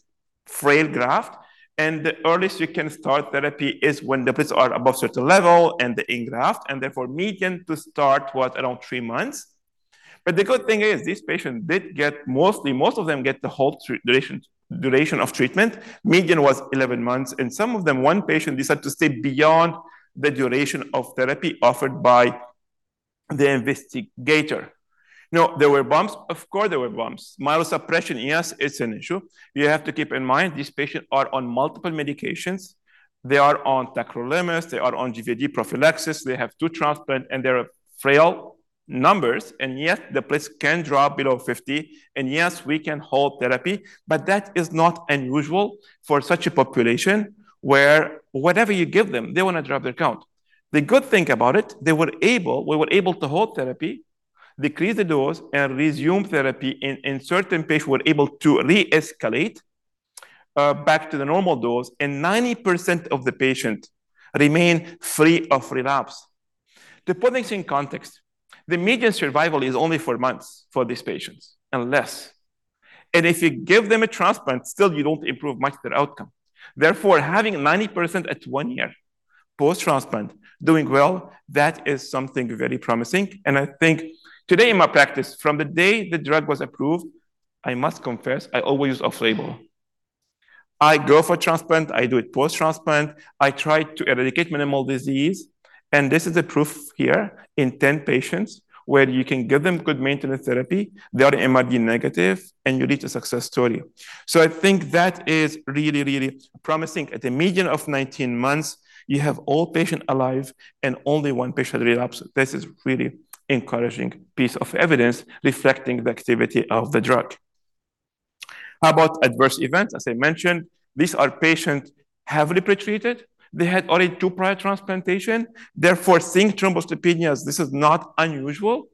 frail graft. The earliest you can start therapy is when the blood cells are above a certain level and the engraft. Therefore, median to start was around three months. The good thing is these patients did get most of them get the whole duration of treatment. Median was 11 months. Some of them, one patient decided to stay beyond the duration of therapy offered by the investigator. Now, there were bumps. Of course, there were bumps. Myelosuppression, yes, it's an issue. You have to keep in mind these patients are on multiple medications. They are on tacrolimus. They are on GVHD prophylaxis. They have two transplants, and they're frail numbers. And yet, the blood cells can drop below 50. And yes, we can hold therapy, but that is not unusual for such a population where whatever you give them, they want to drop their count. The good thing about it, they were able to hold therapy, decrease the dose, and resume therapy. And in certain patients, we were able to re-escalate back to the normal dose. And 90% of the patients remain free of relapse. To put things in context, the median survival is only four months for these patients, and less. And if you give them a transplant, still, you don't improve much their outcome. Therefore, having 90% at one year post-transplant doing well, that is something very promising. And I think today in my practice, from the day the drug was approved, I must confess, I always use off-label. I go for transplant. I do it post-transplant. I try to eradicate minimal disease. And this is the proof here in 10 patients where you can give them good maintenance therapy. They are MRD negative, and you lead to a success story. So I think that is really, really promising. At a median of 19 months, you have all patients alive and only one patient relapse. This is a really encouraging piece of evidence reflecting the activity of the drug. How about adverse events, as I mentioned? These are patients heavily pretreated. They had already two prior transplantations. Therefore, seeing thrombocytopenias, this is not unusual,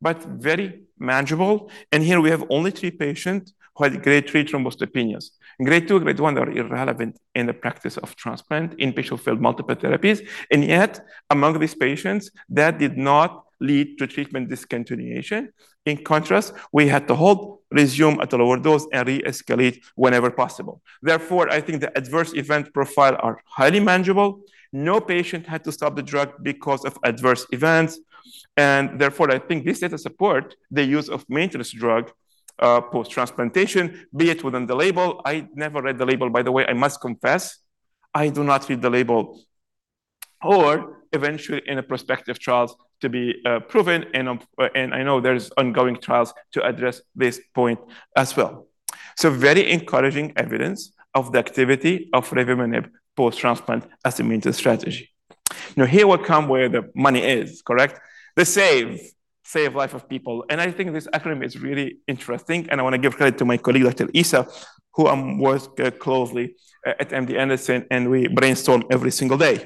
but very manageable. Here, we have only three patients who had Grade 3 thrombocytopenias. Grade 2 and Grade 1 are irrelevant in the practice of transplant in patients who failed multiple therapies. Yet, among these patients, that did not lead to treatment discontinuation. In contrast, we had to hold, resume at a lower dose, and re-escalate whenever possible. Therefore, I think the adverse event profile is highly manageable. No patient had to stop the drug because of adverse events. Therefore, I think this data supports the use of maintenance drug post-transplantation, be it within the label. I never read the label, by the way. I must confess, I do not read the label. Or eventually, in a prospective trial to be proven. I know there are ongoing trials to address this point as well. Very encouraging evidence of the activity of revumenib post-transplant as a maintenance strategy. Now, here will come where the money is, correct? The SAVE, Save Life of People. And I think this acronym is really interesting. And I want to give credit to my colleague, Dr. Issa, who I'm working closely with at MD Anderson, and we brainstorm every single day.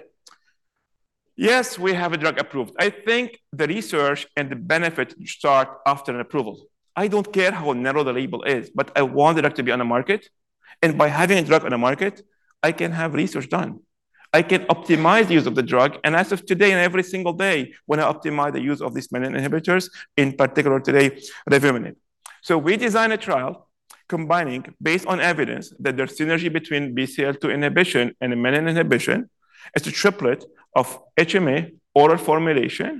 Yes, we have a drug approved. I think the research and the benefit start after approval. I don't care how narrow the label is, but I want the drug to be on the market. And by having a drug on the market, I can have research done. I can optimize the use of the drug. And as of today, and every single day, when I optimize the use of these menin inhibitors, in particular today, revumenib. So we designed a trial combining, based on evidence, that there's synergy between BCL-2 inhibition and menin inhibition, a triplet of HMA oral formulation,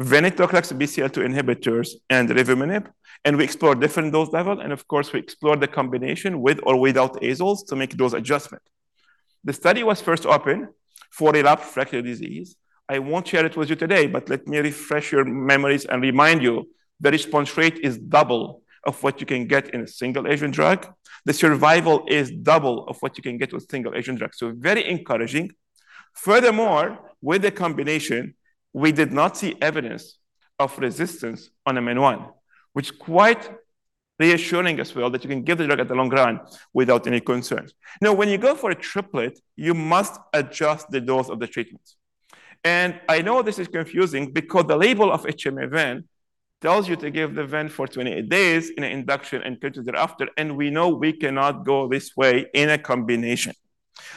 venetoclax BCL-2 inhibitors, and revumenib. And we explore different dose levels. And of course, we explore the combination with or without azoles to make those adjustments. The study was first opened for relapsed refractory disease. I won't share it with you today, but let me refresh your memories and remind you the response rate is double of what you can get in a single agent drug. The survival is double of what you can get with a single agent drug. So very encouraging. Furthermore, with the combination, we did not see evidence of resistance on MEN1, which is quite reassuring as well that you can give the drug in the long run without any concerns. Now, when you go for a triplet, you must adjust the dose of the treatment. And I know this is confusing because the label of HMA/ven tells you to give the ven for 28 days in an induction and 22 days thereafter. And we know we cannot go this way in a combination.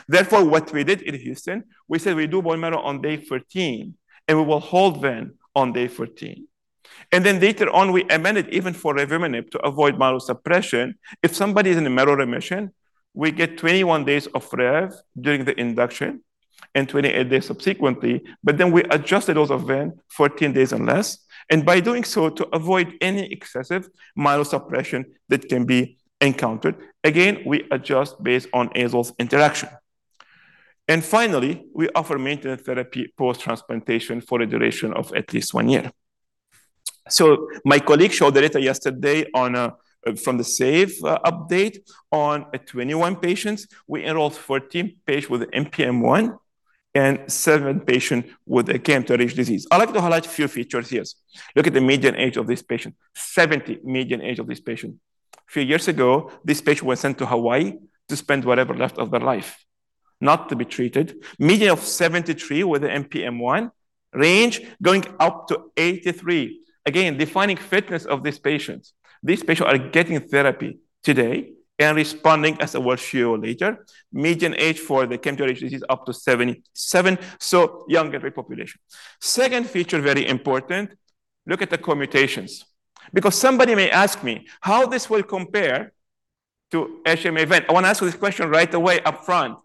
Therefore, what we did in Houston, we said we do bone marrow on day 14, and we will hold ven on day 14. And then later on, we amended even for revumenib to avoid myelosuppression. If somebody is in a marrow remission, we get 21 days of Rev during the induction and 28 days subsequently. But then we adjust the dose of ven 14 days and less. And by doing so, to avoid any excessive myelosuppression that can be encountered, again, we adjust based on azoles interaction. Finally, we offer maintenance therapy post-transplantation for a duration of at least one year. My colleagues showed the data yesterday from the SAVE update on 21 patients. We enrolled 14 patients with NPM1 and seven patients with KMT2Ar disease. I'd like to highlight a few features here. Look at the median age of this patient: 70, median age of this patient. A few years ago, this patient was sent to Hawaii to spend whatever left of their life, not to be treated. Median of 73 with NPM1, range going up to 83. Again, defining fitness of these patients. These patients are getting therapy today and responding as I will show you later. Median age for the KMT2Ar disease up to 77, so younger populations. Second feature, very important. Look at the comorbidities. Because somebody may ask me, how this will compare to HMA/Ven? I want to ask this question right away upfront.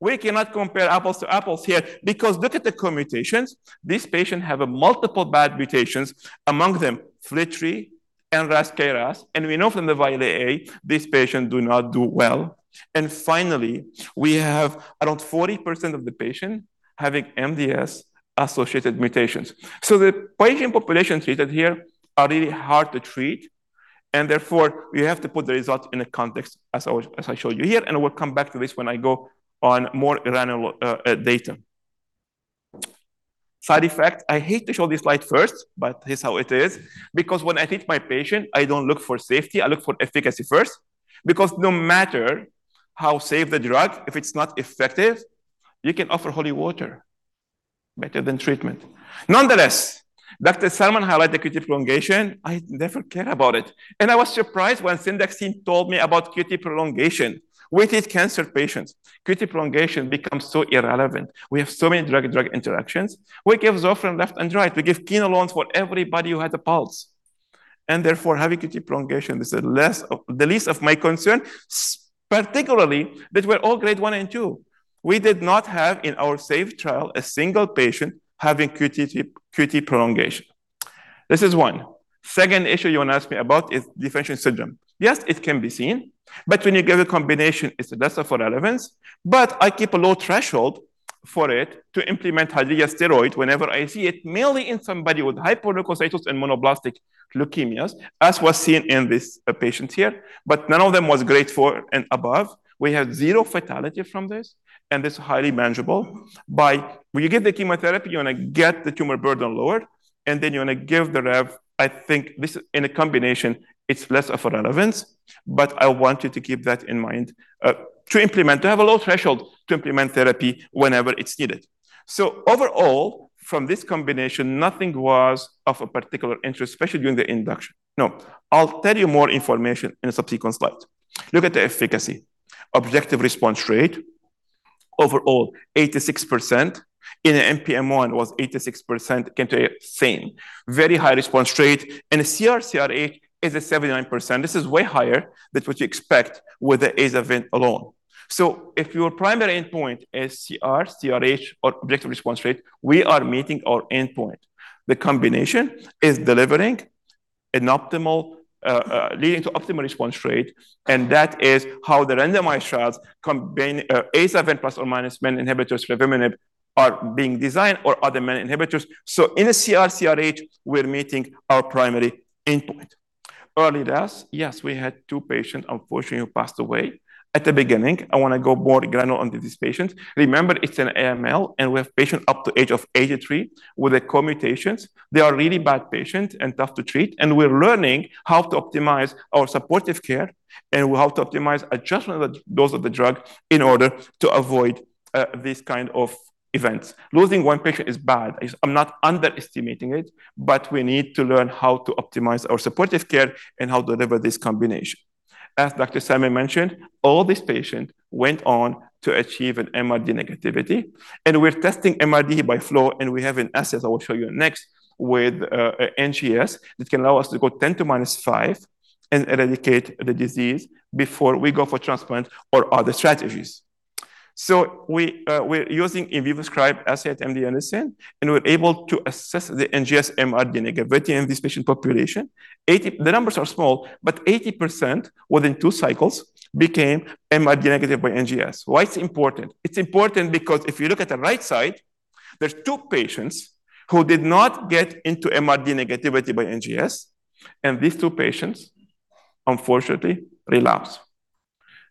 We cannot compare apples to apples here because look at the co-mutations. These patients have multiple bad mutations. Among them, FLT3 and NRAS/KRAS, and we know from the VIALE-A, these patients do not do well. And finally, we have around 40% of the patients having MDS-associated mutations. So the patient population treated here is really hard to treat. And therefore, we have to put the results in a context as I showed you here. And I will come back to this when I go on more granular data. Side effect. I hate to show this slide first, but here's how it is. Because when I treat my patient, I don't look for safety. I look for efficacy first. Because no matter how safe the drug, if it's not effective, you can offer holy water better than treatment. Nonetheless, Dr. Sallman highlighted QT prolongation. I never cared about it, and I was surprised when Syndax told me about QT prolongation, which is cancer patients. QT prolongation becomes so irrelevant. We have so many drug-drug interactions. We give Zofran left and right. We give quinolones for everybody who has a pulse, and therefore, having QT prolongation, this is less of the least of my concern, particularly that we're all Grade 1 and 2. We did not have in our SAVE trial a single patient having QT prolongation. This is one. Second issue you want to ask me about is differentiation syndrome. Yes, it can be seen, but when you give a combination, it's less of a relevance, but I keep a low threshold for it to implement [higher] steroid whenever I see it, mainly in somebody with hyperleukocytosis and monoblastic leukemias, as was seen in this patient here. But none of them was Grade 4 and above. We had zero fatality from this. And this is highly manageable. But when you give the chemotherapy, you want to get the tumor burden lowered. And then you want to give the Rev, I think this in a combination, it's less of a relevance. But I want you to keep that in mind to implement, to have a low threshold to implement therapy whenever it's needed. So overall, from this combination, nothing was of a particular interest, especially during the induction. No, I'll tell you more information in a subsequent slide. Look at the efficacy. Objective response rate, overall, 86%. In NPM1, it was 86%, came to the same. Very high response rate. And CR/CRh is 79%. This is way higher than what you expect with the Aza/Ven alone. If your primary endpoint is CR/CRh or objective response rate, we are meeting our endpoint. The combination is delivering an optimal leading to optimal response rate. And that is how the randomized trials combine Aza/Ven plus or minus menin inhibitors revumenib are being designed or other menin inhibitors. In the CR/CRh, we're meeting our primary endpoint. Early deaths, yes, we had two patients, unfortunately, who passed away at the beginning. I want to go more granular on these patients. Remember, it's an AML. And we have patients up to age of 83 with comorbidities. They are really bad patients and tough to treat. And we're learning how to optimize our supportive care and how to optimize adjustment of the dose of the drug in order to avoid these kinds of events. Losing one patient is bad. I'm not underestimating it. But we need to learn how to optimize our supportive care and how to deliver this combination. As Dr. Sallman mentioned, all these patients went on to achieve an MRD negativity. And we're testing MRD by flow. And we have an assay I will show you next with NGS that can allow us to go 10^-5 and eradicate the disease before we go for transplant or other strategies. So we're using Invivoscribe assay at MD Anderson. And we're able to assess the NGS MRD negativity in this patient population. The numbers are small, but 80% within two cycles became MRD negative by NGS. Why is it important? It's important because if you look at the right side, there are two patients who did not get into MRD negativity by NGS. And these two patients, unfortunately, relapse.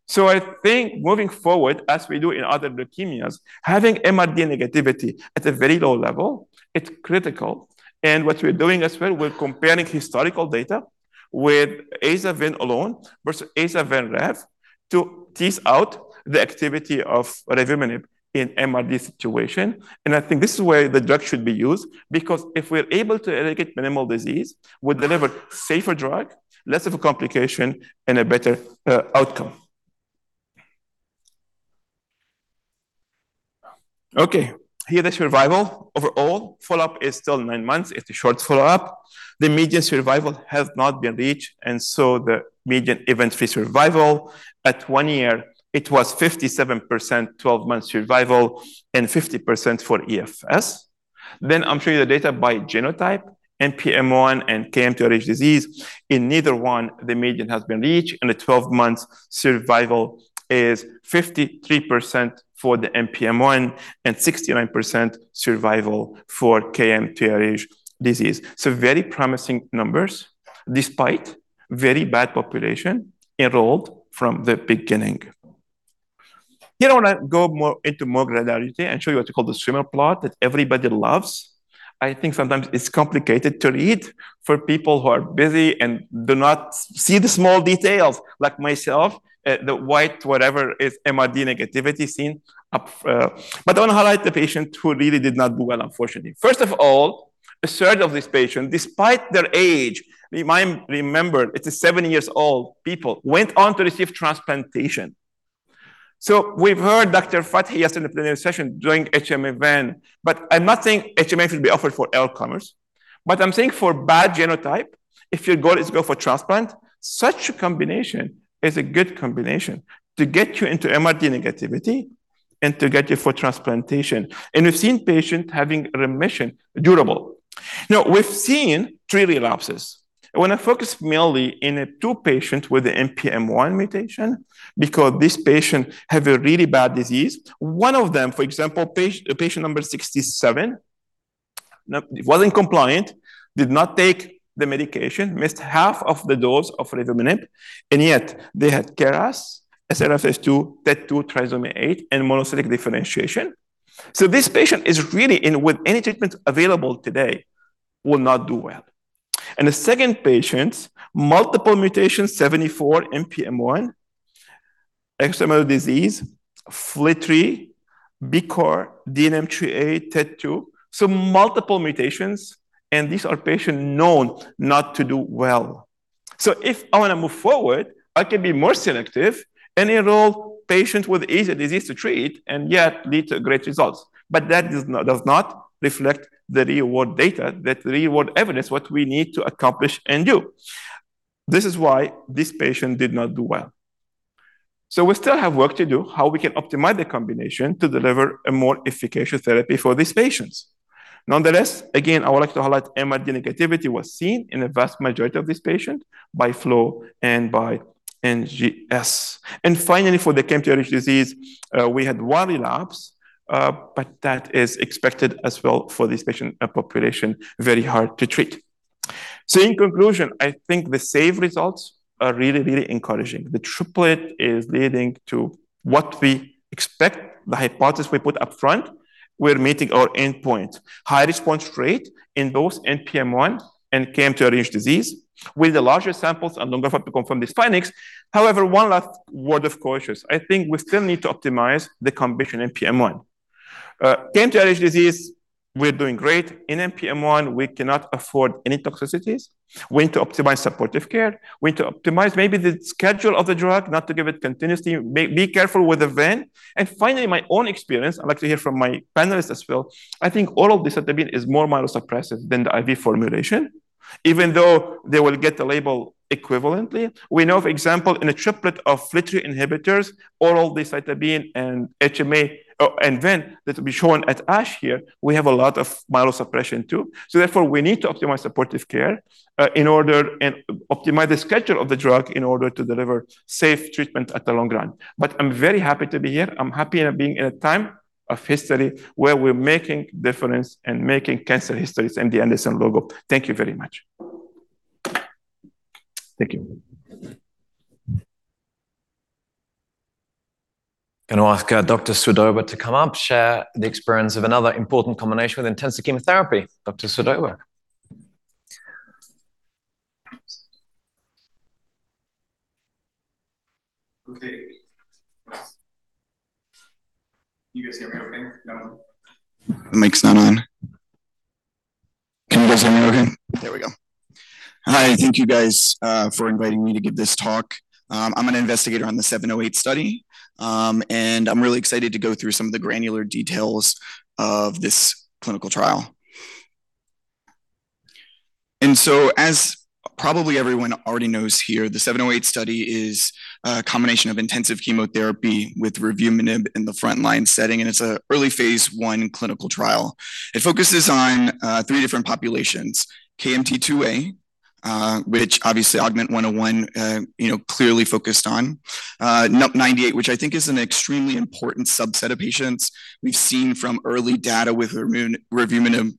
So I think moving forward, as we do in other leukemias, having MRD negativity at a very low level, it's critical. And what we're doing as well, we're comparing historical data with aza/ven alone versus Aza/Ven Rev to tease out the activity of revumenib in MRD situation. And I think this is where the drug should be used. Because if we're able to eradicate minimal disease, we deliver a safer drug, less of a complication, and a better outcome. Okay. Here is the survival overall. Follow-up is still nine months. It's a short follow-up. The median survival has not been reached. And so the median event-free survival at one year. It was 57% 12-month survival and 50% for EFS. Then I'm showing you the data by genotype, NPM1 and KMT2Ar disease. In neither one, the median has been reached. And the 12-month survival is 53% for the NPM1 and 69% survival for KMT2Ar disease. So very promising numbers despite very bad population enrolled from the beginning. Here I want to go into more granularity and show you what we call the swimmer plot that everybody loves. I think sometimes it's complicated to read for people who are busy and do not see the small details like myself. The white whatever is MRD negativity seen. But I want to highlight the patient who really did not do well, unfortunately. First of all, a third of these patients, despite their age, remember, it's a 70-year-old people, went on to receive transplantation. So we've heard Dr. Fathi yesterday in the session doing HMA/ven. But I'm not saying HMA should be offered for all comers. But I'm saying for bad genotype, if your goal is to go for transplant, such a combination is a good combination to get you into MRD negativity and to get you for transplantation. And we've seen patients having remission durable. Now, we've seen three relapses. I want to focus mainly on two patients with the NPM1 mutation because these patients have a really bad disease. One of them, for example, patient number 67, wasn't compliant, did not take the medication, missed half of the dose of revumenib. And yet, they had KRAS, SRSF2, TET2, trisomy 8, and monocytic differentiation. So this patient is really, with any treatment available today, will not do well. And the second patient, multiple mutations, 74, NPM1, [UNINTELLIGIBLE] disease, FLT3, BCOR, DNMT3A, TET2. So multiple mutations. And these are patients known not to do well. So if I want to move forward, I can be more selective and enroll patients with easy disease to treat and yet lead to great results. But that does not reflect the real-world data, that real-world evidence, what we need to accomplish and do. This is why this patient did not do well. So we still have work to do, how we can optimize the combination to deliver a more efficacious therapy for these patients. Nonetheless, again, I would like to highlight MRD negativity was seen in a vast majority of these patients by flow and by NGS. And finally, for the KMT2Ar disease, we had one relapse. But that is expected as well for this patient population, very hard to treat. So in conclusion, I think the SAVE results are really, really encouraging. The triplet is leading to what we expect, the hypothesis we put upfront. We're meeting our endpoint. High response rate in both NPM1 and KMT2Ar disease with the larger samples and longer follow-up to confirm these findings. However, one last word of caution. I think we still need to optimize the combination NPM1. KMT2Ar disease, we're doing great. In NPM1, we cannot afford any toxicities. We need to optimize supportive care. We need to optimize maybe the schedule of the drug, not to give it continuously. Be careful with the ven. And finally, my own experience, I'd like to hear from my panelists as well. I think oral decitabine is more myelosuppressive than the IV formulation, even though they will get the label equivalently. We know, for example, in a triplet of FLT3 inhibitors, oral decitabine and HMA and ven that will be shown at ASH here, we have a lot of myelosuppression too. So therefore, we need to optimize supportive care in order and optimize the schedule of the drug in order to deliver safe treatment at the long run. But I'm very happy to be here. I'm happy being at a time of history where we're making difference and making cancer history. It's MD Anderson logo. Thank you very much. Thank you. Going to ask Dr. Swoboda to come up, share the experience of another important combination with intensive chemotherapy. Dr. Swoboda. Okay. You guys hear me okay? No. That makes no note. Can you guys hear me okay? There we go. Hi. Thank you, guys, for inviting me to give this talk. I'm an investigator on the 708 study, and I'm really excited to go through some of the granular details of this clinical trial. And so as probably everyone already knows here, the 708 study is a combination of intensive chemotherapy with revumenib in the frontline setting. And it's an early phase one clinical trial. It focuses on three different populations: KMT2A, which obviously AUGMENT-101 clearly focused on, NUP98, which I think is an extremely important subset of patients. We've seen from early data with revumenib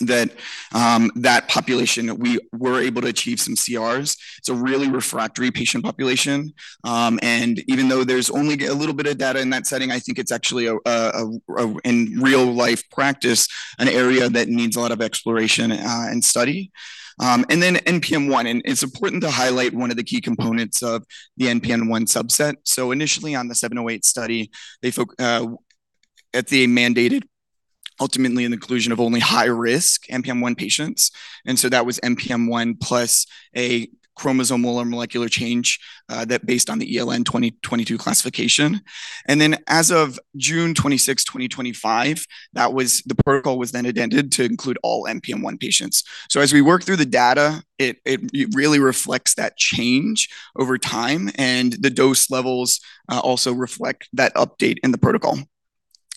that that population, we were able to achieve some CRs. It's a really refractory patient population. And even though there's only a little bit of data in that setting, I think it's actually, in real-life practice, an area that needs a lot of exploration and study. And then NPM1. And it's important to highlight one of the key components of the NPM1 subset. So initially, on the 708 study, they focused at the mandated, ultimately an inclusion of only high-risk NPM1 patients. And so that was NPM1 plus a chromosome molecular change that based on the ELN 2022 classification. And then as of June 26, 2025, that was the protocol was then amended to include all NPM1 patients. So as we work through the data, it really reflects that change over time. And the dose levels also reflect that update in the protocol.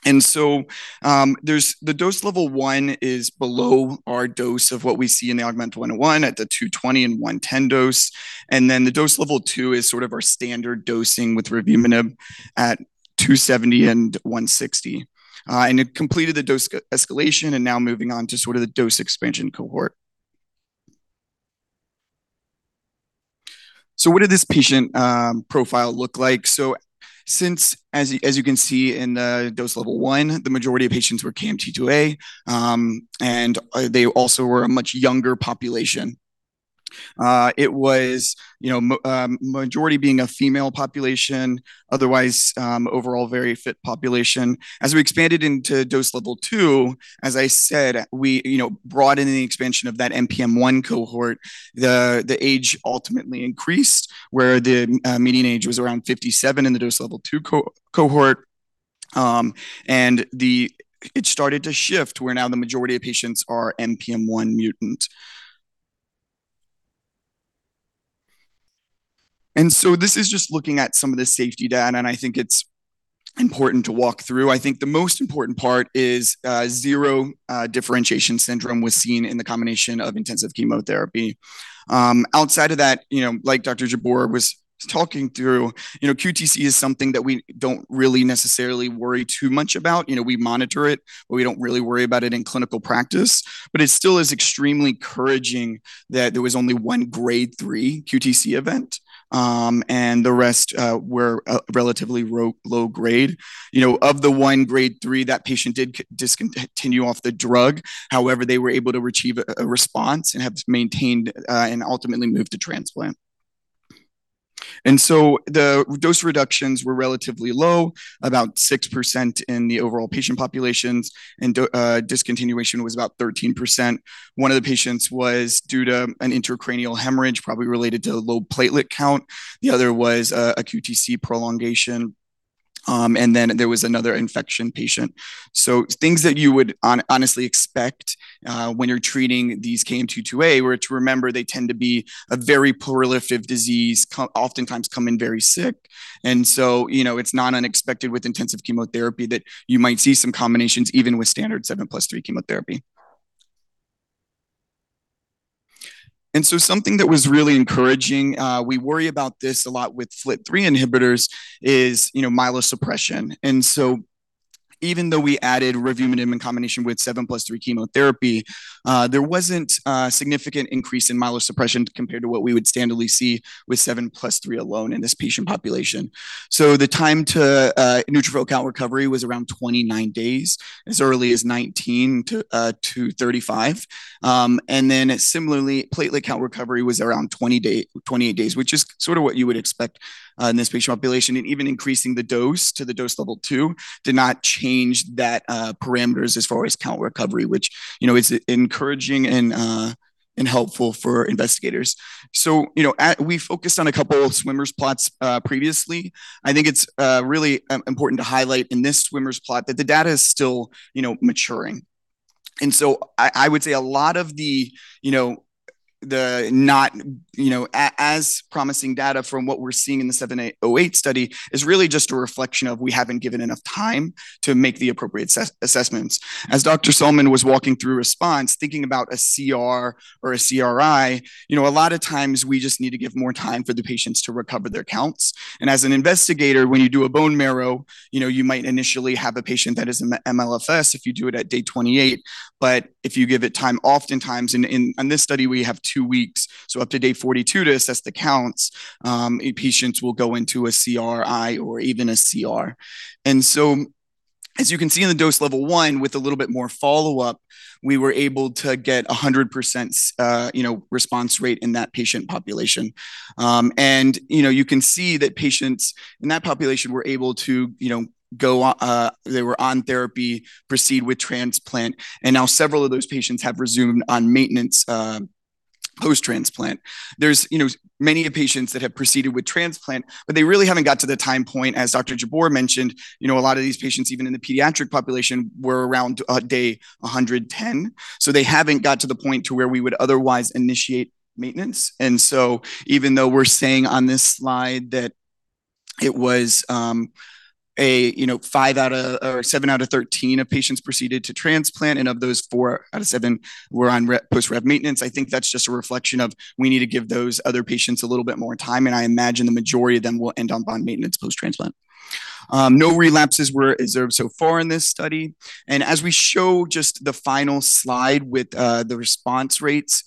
And so the dose level one is below our dose of what we see in the AUGMENT-101 at the 220 and 110 dose. And then the dose level two is sort of our standard dosing with revumenib at 270 and 160. And it completed the dose escalation and now moving on to sort of the dose expansion cohort. So what did this patient profile look like? So since, as you can see in the dose level one, the majority of patients were KMT2A. They also were a much younger population. It was majority being a female population, otherwise overall very fit population. As we expanded into dose level two, as I said, we broadened the expansion of that NPM1 cohort. The age ultimately increased where the median age was around 57 in the dose level two cohort. It started to shift where now the majority of patients are NPM1 mutant. This is just looking at some of the safety data. I think it's important to walk through. I think the most important part is zero differentiation syndrome was seen in the combination of intensive chemotherapy. Outside of that, like Dr. Jabbour was talking through, QTc is something that we don't really necessarily worry too much about. We monitor it, but we don't really worry about it in clinical practice. But it still is extremely encouraging that there was only one grade three QTc event. And the rest were relatively low grade. Of the one grade three, that patient did discontinue off the drug. However, they were able to achieve a response and have maintained and ultimately moved to transplant. And so the dose reductions were relatively low, about 6% in the overall patient population. And discontinuation was about 13%. One of the patients was due to an intracranial hemorrhage, probably related to low platelet count. The other was a QTc prolongation. And then there was another infection patient. So things that you would honestly expect when you're treating these KMT2A. We're to remember they tend to be a very prolific disease, oftentimes come in very sick. And so it's not unexpected with intensive chemotherapy that you might see some complications even with standard 7+3 chemotherapy. And so something that was really encouraging, we worry about this a lot with FLT3 inhibitors, is myelosuppression. And so even though we added revumenib in combination with 7+3 chemotherapy, there wasn't a significant increase in myelosuppression compared to what we would standardly see with 7+3 alone in this patient population. So the time to neutrophil count recovery was around 29 days, as early as 19 to 35. And then similarly, platelet count recovery was around 28 days, which is sort of what you would expect in this patient population. And even increasing the dose to the dose level two did not change that parameters as far as count recovery, which is encouraging and helpful for investigators. So we focused on a couple of swimmers plots previously. I think it's really important to highlight in this swimmers plot that the data is still maturing. And so I would say a lot of the not as promising data from what we're seeing in the 708 study is really just a reflection of we haven't given enough time to make the appropriate assessments. As Dr. Sallman was walking through response, thinking about a CR or a CRi, a lot of times we just need to give more time for the patients to recover their counts. And as an investigator, when you do a bone marrow, you might initially have a patient that is MLFS if you do it at day 28. But if you give it time, oftentimes, and in this study, we have two weeks, so up to day 42 to assess the counts, patients will go into a CRi or even a CR. And so as you can see in the dose level one, with a little bit more follow-up, we were able to get 100% response rate in that patient population. And you can see that patients in that population were able to go on, they were on therapy, proceed with transplant. And now several of those patients have resumed on maintenance post-transplant. There's many patients that have proceeded with transplant, but they really haven't got to the time point, as Dr. Jabbour mentioned, a lot of these patients, even in the pediatric population, were around day 110. So they haven't got to the point to where we would otherwise initiate maintenance. And so even though we're saying on this slide that it was five out of seven out of thirteen patients proceeded to transplant, and of those four out of seven were on post-Rev maintenance, I think that's just a reflection of we need to give those other patients a little bit more time. And I imagine the majority of them will end on Rev maintenance post-transplant. No relapses were observed so far in this study. And as we show just the final slide with the response rates,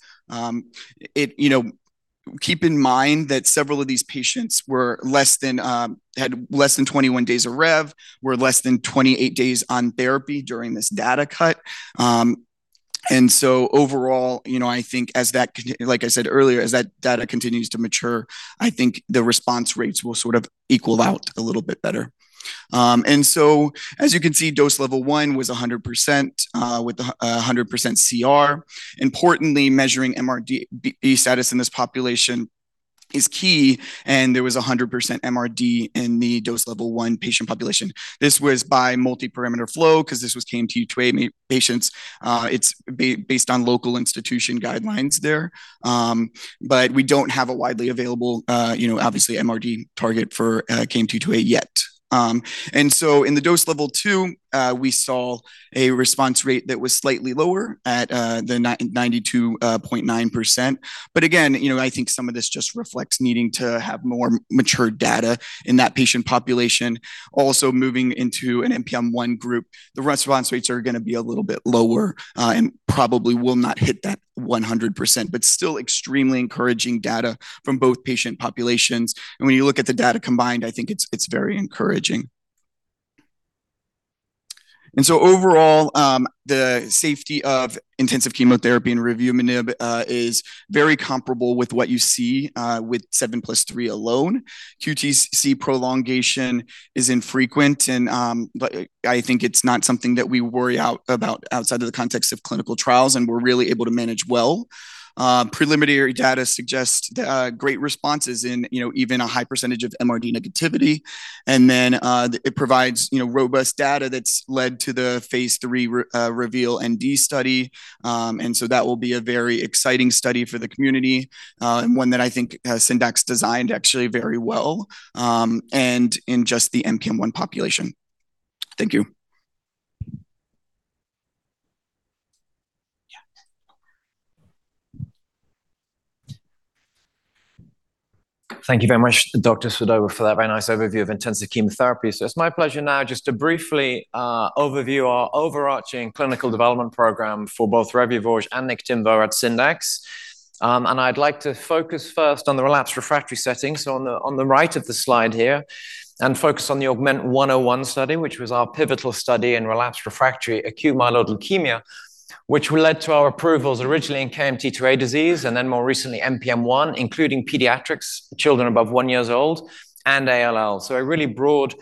keep in mind that several of these patients had less than 21 days of Rev, were less than 28 days on therapy during this data cut. And so overall, I think, like I said earlier, as that data continues to mature, I think the response rates will sort of equal out a little bit better. As you can see, dose level one was 100% with 100% CR. Importantly, measuring MRD status in this population is key. There was 100% MRD in the dose level one patient population. This was by multi-parameter flow because this was KMT2A patients. It's based on local institution guidelines there. But we don't have a widely available, obviously, MRD target for KMT2A yet. In the dose level two, we saw a response rate that was slightly lower at the 92.9%. But again, I think some of this just reflects needing to have more mature data in that patient population. Also moving into an NPM1 group, the response rates are going to be a little bit lower and probably will not hit that 100%, but still extremely encouraging data from both patient populations. When you look at the data combined, I think it's very encouraging. And so overall, the safety of intensive chemotherapy and revumenib is very comparable with what you see with 7+3 alone. QTc prolongation is infrequent. And I think it's not something that we worry about outside of the context of clinical trials. And we're really able to manage well. Preliminary data suggest great responses in even a high percentage of MRD negativity. And then it provides robust data that's led to the Phase III REVEAL-ND study. And so that will be a very exciting study for the community, one that I think Syndax designed actually very well and in just the NPM1 population. Thank you. Yeah. Thank you very much, Dr. Swoboda, for that very nice overview of intensive chemotherapy. So it's my pleasure now just to briefly overview our overarching clinical development program for both Revuforj and Niktimvo at Syndax. I'd like to focus first on the relapsed refractory setting, so on the right of the slide here, and focus on the AUGMENT-101 study, which was our pivotal study in relapsed refractory acute myeloid leukemia, which led to our approvals originally in KMT2A disease and then more recently NPM1, including pediatrics, children above one year old, and ALL. A really broad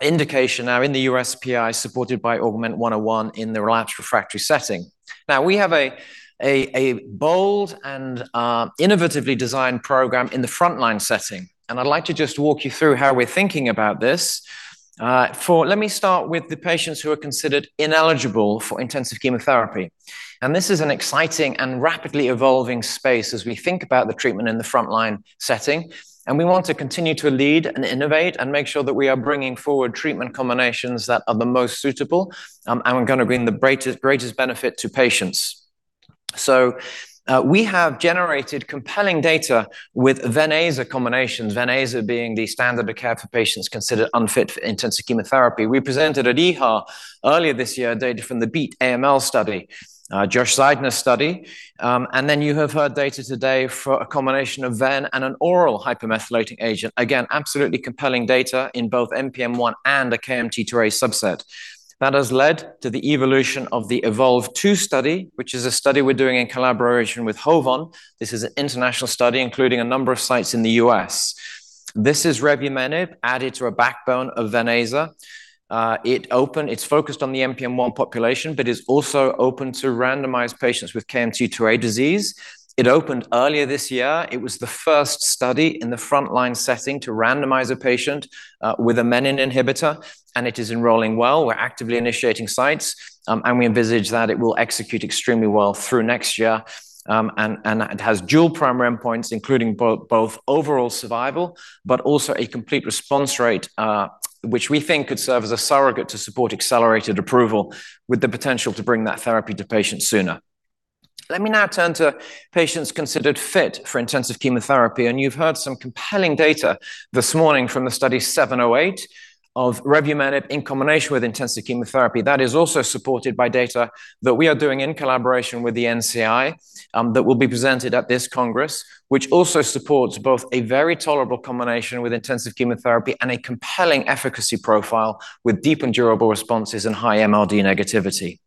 indication now in the USPI supported by AUGMENT-101 in the relapsed refractory setting. Now, we have a bold and innovatively designed program in the frontline setting. I'd like to just walk you through how we're thinking about this. Let me start with the patients who are considered ineligible for intensive chemotherapy. This is an exciting and rapidly evolving space as we think about the treatment in the frontline setting. And we want to continue to lead and innovate and make sure that we are bringing forward treatment combinations that are the most suitable and are going to bring the greatest benefit to patients. So we have generated compelling data with Ven/Aza combinations, Ven/Aza being the standard of care for patients considered unfit for intensive chemotherapy. We presented at EHA earlier this year data from the BEAT AML study, Josh Zeidner study. And then you have heard data today for a combination of ven and an oral hypomethylating agent. Again, absolutely compelling data in both NPM1 and a KMT2A subset. That has led to the evolution of the EVOLVE-2 study, which is a study we're doing in collaboration with HOVON. This is an international study including a number of sites in the US. This is revumenib added to a backbone of Ven/Aza. It's focused on the NPM1 population, but is also open to randomized patients with KMT2A disease. It opened earlier this year. It was the first study in the frontline setting to randomize a patient with a menin inhibitor. It is enrolling well. We're actively initiating sites. We envisage that it will execute extremely well through next year. It has dual primary endpoints, including both overall survival, but also a complete response rate, which we think could serve as a surrogate to support accelerated approval with the potential to bring that therapy to patients sooner. Let me now turn to patients considered fit for intensive chemotherapy. You've heard some compelling data this morning from the Study 708 of revumenib in combination with intensive chemotherapy. That is also supported by data that we are doing in collaboration with the NCI that will be presented at this congress, which also supports both a very tolerable combination with intensive chemotherapy and a compelling efficacy profile with deep and durable responses and high MRD negativity.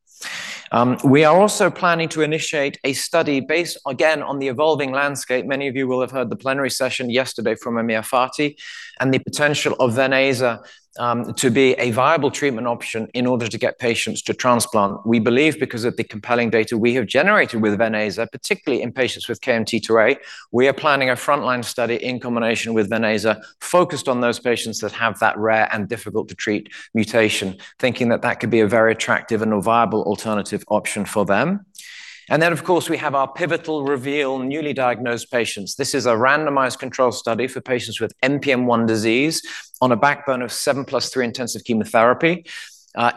We are also planning to initiate a study based, again, on the evolving landscape. Many of you will have heard the plenary session yesterday from Amir Fathi and the potential of Ven/Aza to be a viable treatment option in order to get patients to transplant. We believe because of the compelling data we have generated with Ven/Aza, particularly in patients with KMT2A, we are planning a frontline study in combination with Ven/Aza focused on those patients that have that rare and difficult to treat mutation, thinking that that could be a very attractive and a viable alternative option for them. And then, of course, we have our pivotal REVEAL newly diagnosed patients. This is a randomized control study for patients with NPM1 disease on a backbone of 7+3 intensive chemotherapy.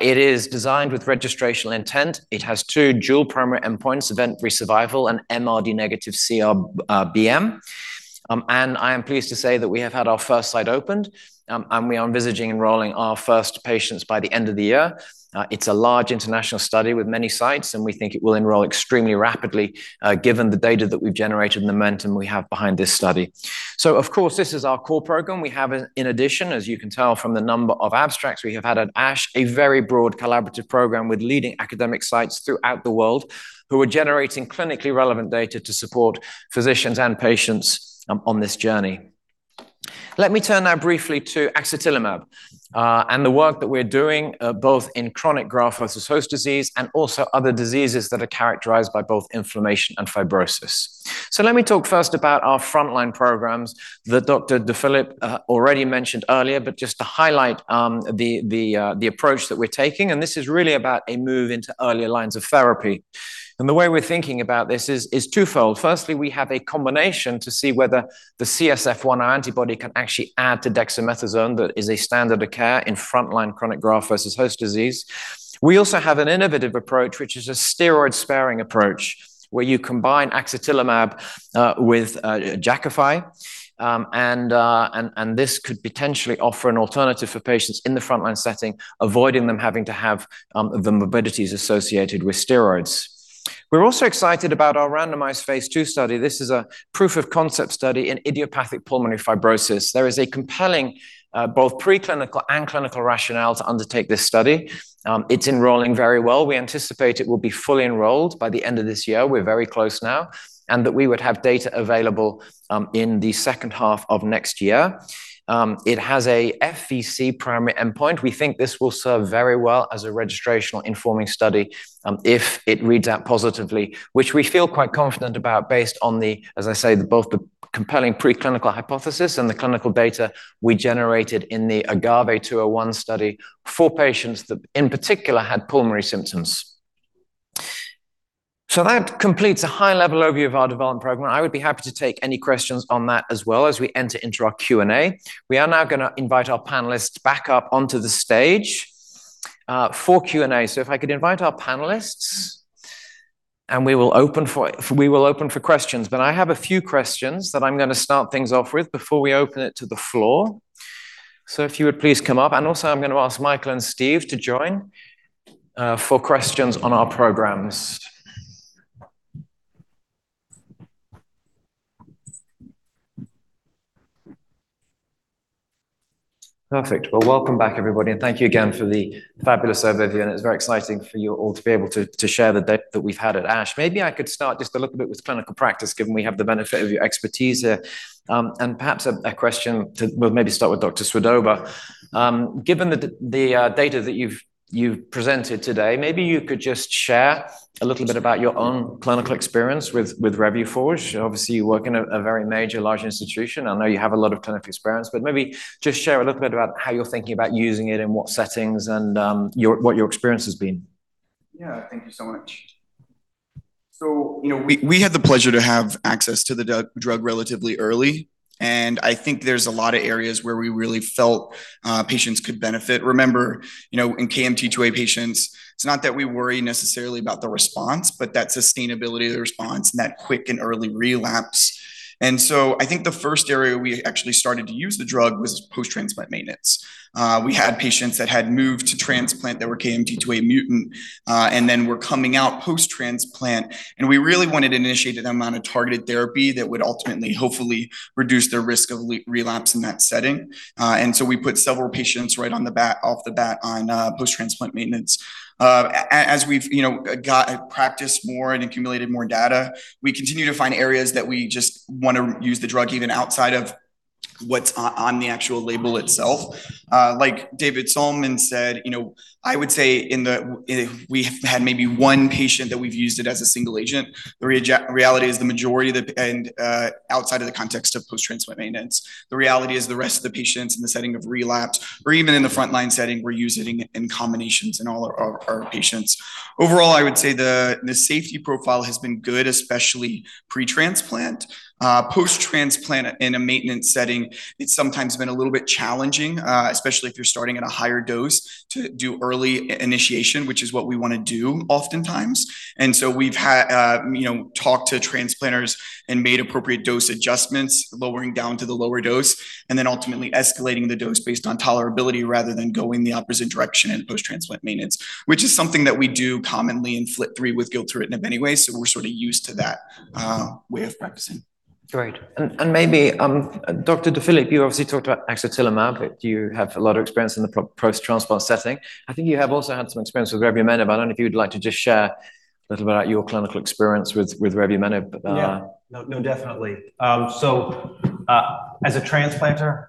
It is designed with registrational intent. It has two dual primary endpoints, event-free survival and MRD negative CR BM. And I am pleased to say that we have had our first site opened. And we are envisioning enrolling our first patients by the end of the year. It's a large international study with many sites. And we think it will enroll extremely rapidly given the data that we've generated and the momentum we have behind this study. So, of course, this is our core program. We have, in addition, as you can tell from the number of abstracts, we have had at ASH a very broad collaborative program with leading academic sites throughout the world who are generating clinically relevant data to support physicians and patients on this journey. Let me turn now briefly to axatilimab and the work that we're doing both in chronic graft versus host disease and also other diseases that are characterized by both inflammation and fibrosis. So let me talk first about our frontline programs that Dr. DeFilipp already mentioned earlier, but just to highlight the approach that we're taking. And this is really about a move into earlier lines of therapy. And the way we're thinking about this is twofold. Firstly, we have a combination to see whether the CSF1 antibody can actually add to dexamethasone that is a standard of care in frontline chronic graft versus host disease. We also have an innovative approach, which is a steroid-sparing approach where you combine axatilimab with Jakafi, and this could potentially offer an alternative for patients in the frontline setting, avoiding them having to have the morbidities associated with steroids. We're also excited about our randomized phase two study. This is a proof of concept study in idiopathic pulmonary fibrosis. There is a compelling both preclinical and clinical rationale to undertake this study. It's enrolling very well. We anticipate it will be fully enrolled by the end of this year. We're very close now and that we would have data available in the second half of next year. It has a FVC primary endpoint. We think this will serve very well as a registrational informing study if it reads out positively, which we feel quite confident about based on the, as I say, both the compelling preclinical hypothesis and the clinical data we generated in the AGAVE-201 study for patients that in particular had pulmonary symptoms. So that completes a high-level overview of our development program. I would be happy to take any questions on that as well as we enter into our Q&A. We are now going to invite our panelists back up onto the stage for Q&A. So if I could invite our panelists, and we will open for questions. But I have a few questions that I'm going to start things off with before we open it to the floor. So if you would please come up. And also, I'm going to ask Michael and Steve to join for questions on our programs. Perfect. Well, welcome back, everybody. And thank you again for the fabulous overview. And it's very exciting for you all to be able to share the data that we've had at ASH. Maybe I could start just a little bit with clinical practice, given we have the benefit of your expertise here. And perhaps a question to maybe start with Dr. Swoboda. Given the data that you've presented today, maybe you could just share a little bit about your own clinical experience with Revuforj. Obviously, you work in a very major large institution. I know you have a lot of clinical experience, but maybe just share a little bit about how you're thinking about using it and what settings and what your experience has been. Yeah, thank you so much. So we had the pleasure to have access to the drug relatively early. And I think there's a lot of areas where we really felt patients could benefit. Remember, in KMT2A patients, it's not that we worry necessarily about the response, but that sustainability of the response and that quick and early relapse. And so I think the first area we actually started to use the drug was post-transplant maintenance. We had patients that had moved to transplant that were KMT2A mutant and then were coming out post-transplant. And we really wanted to initiate them on a targeted therapy that would ultimately hopefully reduce their risk of relapse in that setting. And so we put several patients right off the bat on post-transplant maintenance. As we've got practice more and accumulated more data, we continue to find areas that we just want to use the drug even outside of what's on the actual label itself. Like David Sallman said, I would say we had maybe one patient that we've used it as a single agent. The reality is the majority outside of the context of post-transplant maintenance. The reality is the rest of the patients in the setting of relapse or even in the frontline setting, we're using it in combinations in all of our patients. Overall, I would say the safety profile has been good, especially pre-transplant. Post-transplant in a maintenance setting, it's sometimes been a little bit challenging, especially if you're starting at a higher dose to do early initiation, which is what we want to do oftentimes. And so we've talked to transplanters and made appropriate dose adjustments, lowering down to the lower dose, and then ultimately escalating the dose based on tolerability rather than going the opposite direction in post-transplant maintenance, which is something that we do commonly in FLT3 with gilteritinib anyway. So we're sort of used to that way of practicing. Great. And maybe Dr. DeFilipp, you obviously talked about axatilimab, but you have a lot of experience in the post-transplant setting. I think you have also had some experience with Revuforj. I don't know if you'd like to just share a little bit about your clinical experience with Revuforj. Yeah. No, definitely. So as a transplanter,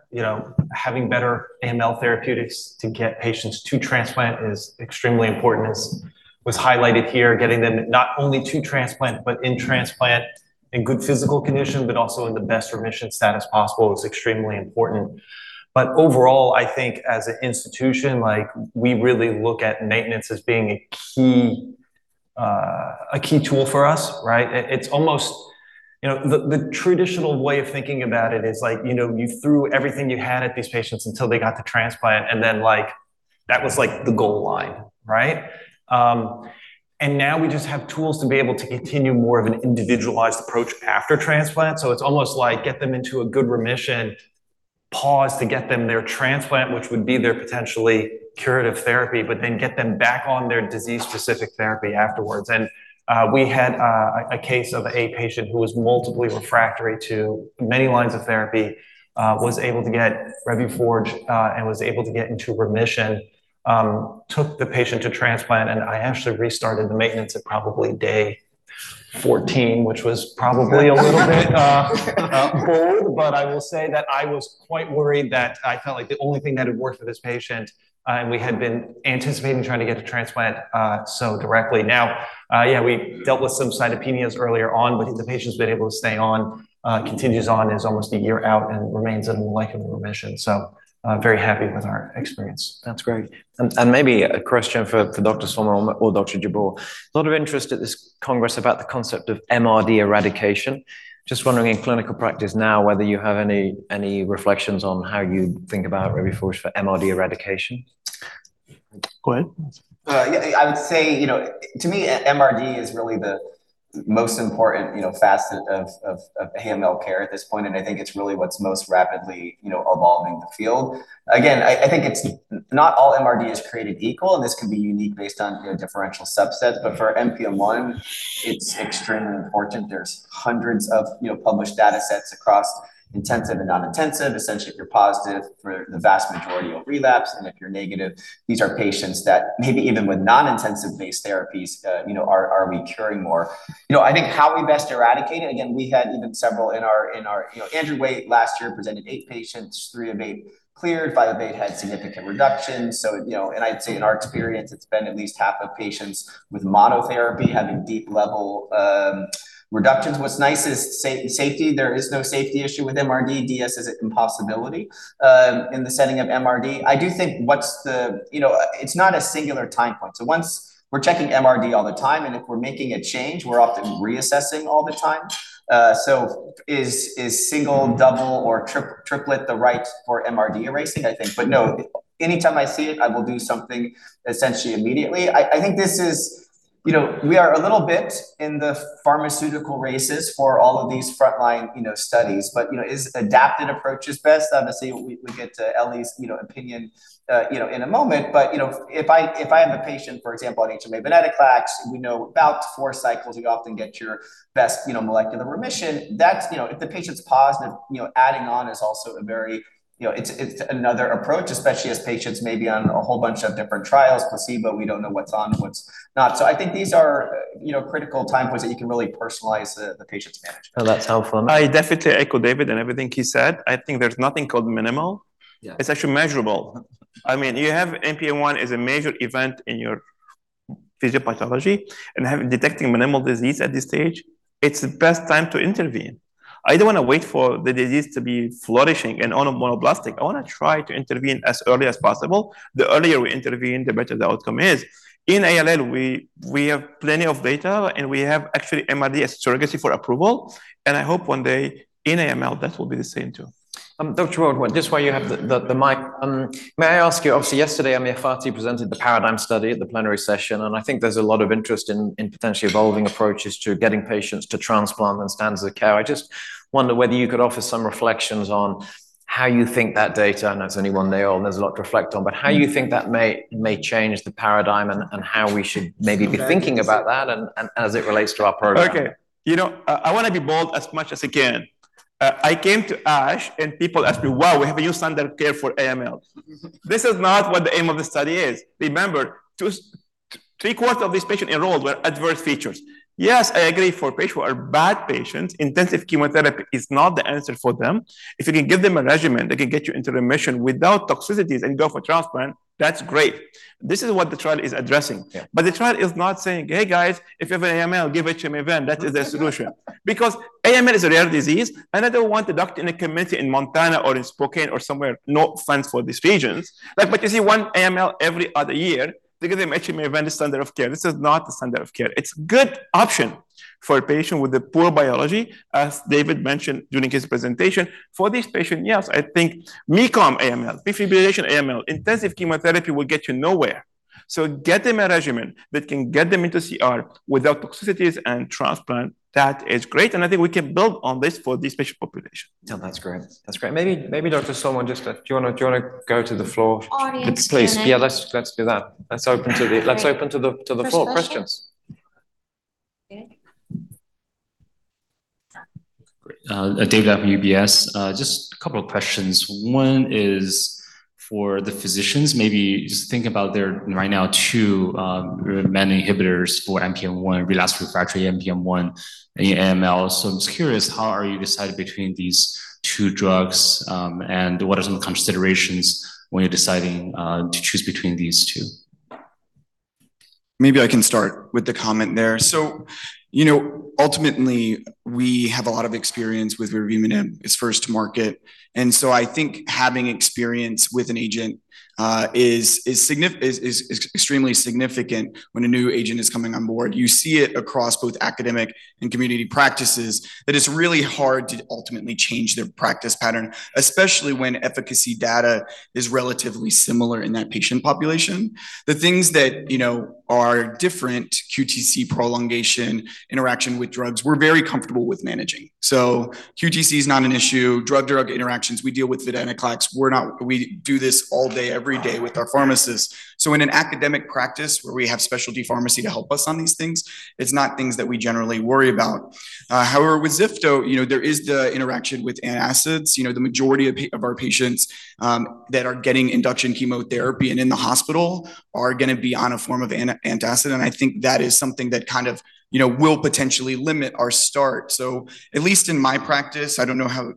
having better AML therapeutics to get patients to transplant is extremely important. As was highlighted here, getting them not only to transplant, but in transplant in good physical condition, but also in the best remission status possible is extremely important. But overall, I think as an institution, we really look at maintenance as being a key tool for us, right? The traditional way of thinking about it is like you threw everything you had at these patients until they got to transplant, and then that was like the goal line, right? And now we just have tools to be able to continue more of an individualized approach after transplant. So it's almost like get them into a good remission, pause to get them their transplant, which would be their potentially curative therapy, but then get them back on their disease-specific therapy afterwards. And we had a case of a patient who was multiply refractory to many lines of therapy, was able to get Revuforj and was able to get into remission, took the patient to transplant, and I actually restarted the maintenance at probably day 14, which was probably a little bit bold, but I will say that I was quite worried that I felt like the only thing that had worked for this patient, and we had been anticipating trying to get to transplant so directly. Now, yeah, we dealt with some cytopenias earlier on, but the patient's been able to stay on, continues on, is almost a year out, and remains in likely remission, so very happy with our experience. That's great, and maybe a question for Dr. Sallman or Dr. Jabbour. A lot of interest at this congress about the concept of MRD eradication. Just wondering in clinical practice now whether you have any reflections on how you think about Revuforj for MRD eradication. Go ahead. Yeah, I would say to me, MRD is really the most important facet of AML care at this point. And I think it's really what's most rapidly evolving the field. Again, I think it's not all MRD is created equal, and this can be unique based on differential subsets. But for NPM1, it's extremely important. There's hundreds of published data sets across intensive and non-intensive. Essentially, if you're positive, the vast majority will relapse. And if you're negative, these are patients that maybe even with non-intensive-based therapies, are we curing more? I think how we best eradicate it. Again, we had even several in our Andrew Wei last year presented eight patients, three of eight cleared, five of eight had significant reductions. I'd say in our experience, it's been at least half of patients with monotherapy having deep level reductions. What's nice is safety. There is no safety issue with MRD. DS is an impossibility in the setting of MRD. I do think what's the it's not a singular time point. Once we're checking MRD all the time, and if we're making a change, we're often reassessing all the time. Is single, double, or triplet the right for MRD erasing, I think. No, anytime I see it, I will do something essentially immediately. I think this is we are a little bit in the pharmaceutical races for all of these frontline studies. Is adaptive approaches best? Obviously, we'll get to Eli's opinion in a moment. But if I have a patient, for example, on HMA venetoclax, we know after about four cycles, we often get our best molecular remission. If the patient's positive, adding on is also. It's another approach, especially as patients may be on a whole bunch of different trials, placebo. We don't know what's on and what's not. So I think these are critical time points that you can really personalize the patient's management. Oh, that's helpful. I definitely echo David and everything he said. I think there's nothing called minimal. It's actually measurable. I mean, you have NPM1 as a major event in your pathophysiology. Detecting minimal disease at this stage, it's the best time to intervene. I don't want to wait for the disease to be flourishing and immunoblastic. I want to try to intervene as early as possible. The earlier we intervene, the better the outcome is. In ALL, we have plenty of data, and we have actually MRD as a surrogate for approval. And I hope one day in AML, that will be the same too. Dr. Jabbour, this way you have the mic. May I ask you, obviously, yesterday Amir Fathi presented the paradigm study at the plenary session. And I think there's a lot of interest in potentially evolving approaches to getting patients to transplant and standards of care. I just wonder whether you could offer some reflections on how you think that data, and that's only one day old, and there's a lot to reflect on, but how you think that may change the paradigm and how we should maybe be thinking about that as it relates to our program. Okay. I want to be bold as much as I can. I came to ASH, and people asked me, "Wow, we have a new standard of care for AML." This is not what the aim of the study is. Remember, three-quarters of these patients enrolled were adverse features. Yes, I agree for patients who are bad patients, intensive chemotherapy is not the answer for them. If you can give them a regimen, they can get you into remission without toxicities and go for transplant, that's great. This is what the trial is addressing, but the trial is not saying, "Hey guys, if you have an AML, give HMA/ven, that is the solution." Because AML is a rare disease, and I don't want the doctor in a community in Montana or in Spokane or somewhere, no funds for these regions, but you see one AML every other year, they give them HMA/ven as standard of care. This is not the standard of care. It's a good option for a patient with a poor biology, as David mentioned during his presentation. For these patients, yes, I think MECOM AML, deletional AML, intensive chemotherapy will get you nowhere. So get them a regimen that can get them into CR without toxicities and transplant, that is great, and I think we can build on this for this patient population. No, that's great. That's great. Maybe Dr. Sallman, do you want to go to the floor? Please. Yeah, let's do that. Let's open the floor to questions. Dave at UBS, just a couple of questions. One is for the physicians, maybe just think about there are right now two menin inhibitors for NPM1, relapsed refractory NPM1 and AML. So I'm just curious, how are you deciding between these two drugs? What are some considerations when you're deciding to choose between these two? Maybe I can start with the comment there. Ultimately, we have a lot of experience with revumenib as first to market. I think having experience with an agent is extremely significant when a new agent is coming on board. You see it across both academic and community practices that it's really hard to ultimately change their practice pattern, especially when efficacy data is relatively similar in that patient population. The things that are different, QTc prolongation, interaction with drugs, we're very comfortable with managing. QTc is not an issue. Drug-drug interactions, we deal with venetoclax. We do this all day, every day with our pharmacists. In an academic practice where we have specialty pharmacy to help us on these things, it's not things that we generally worry about. However, with ziftomenib, there is the interaction with antacids. The majority of our patients that are getting induction chemotherapy and in the hospital are going to be on a form of antacid. And I think that is something that kind of will potentially limit our start. So at least in my practice, I don't know how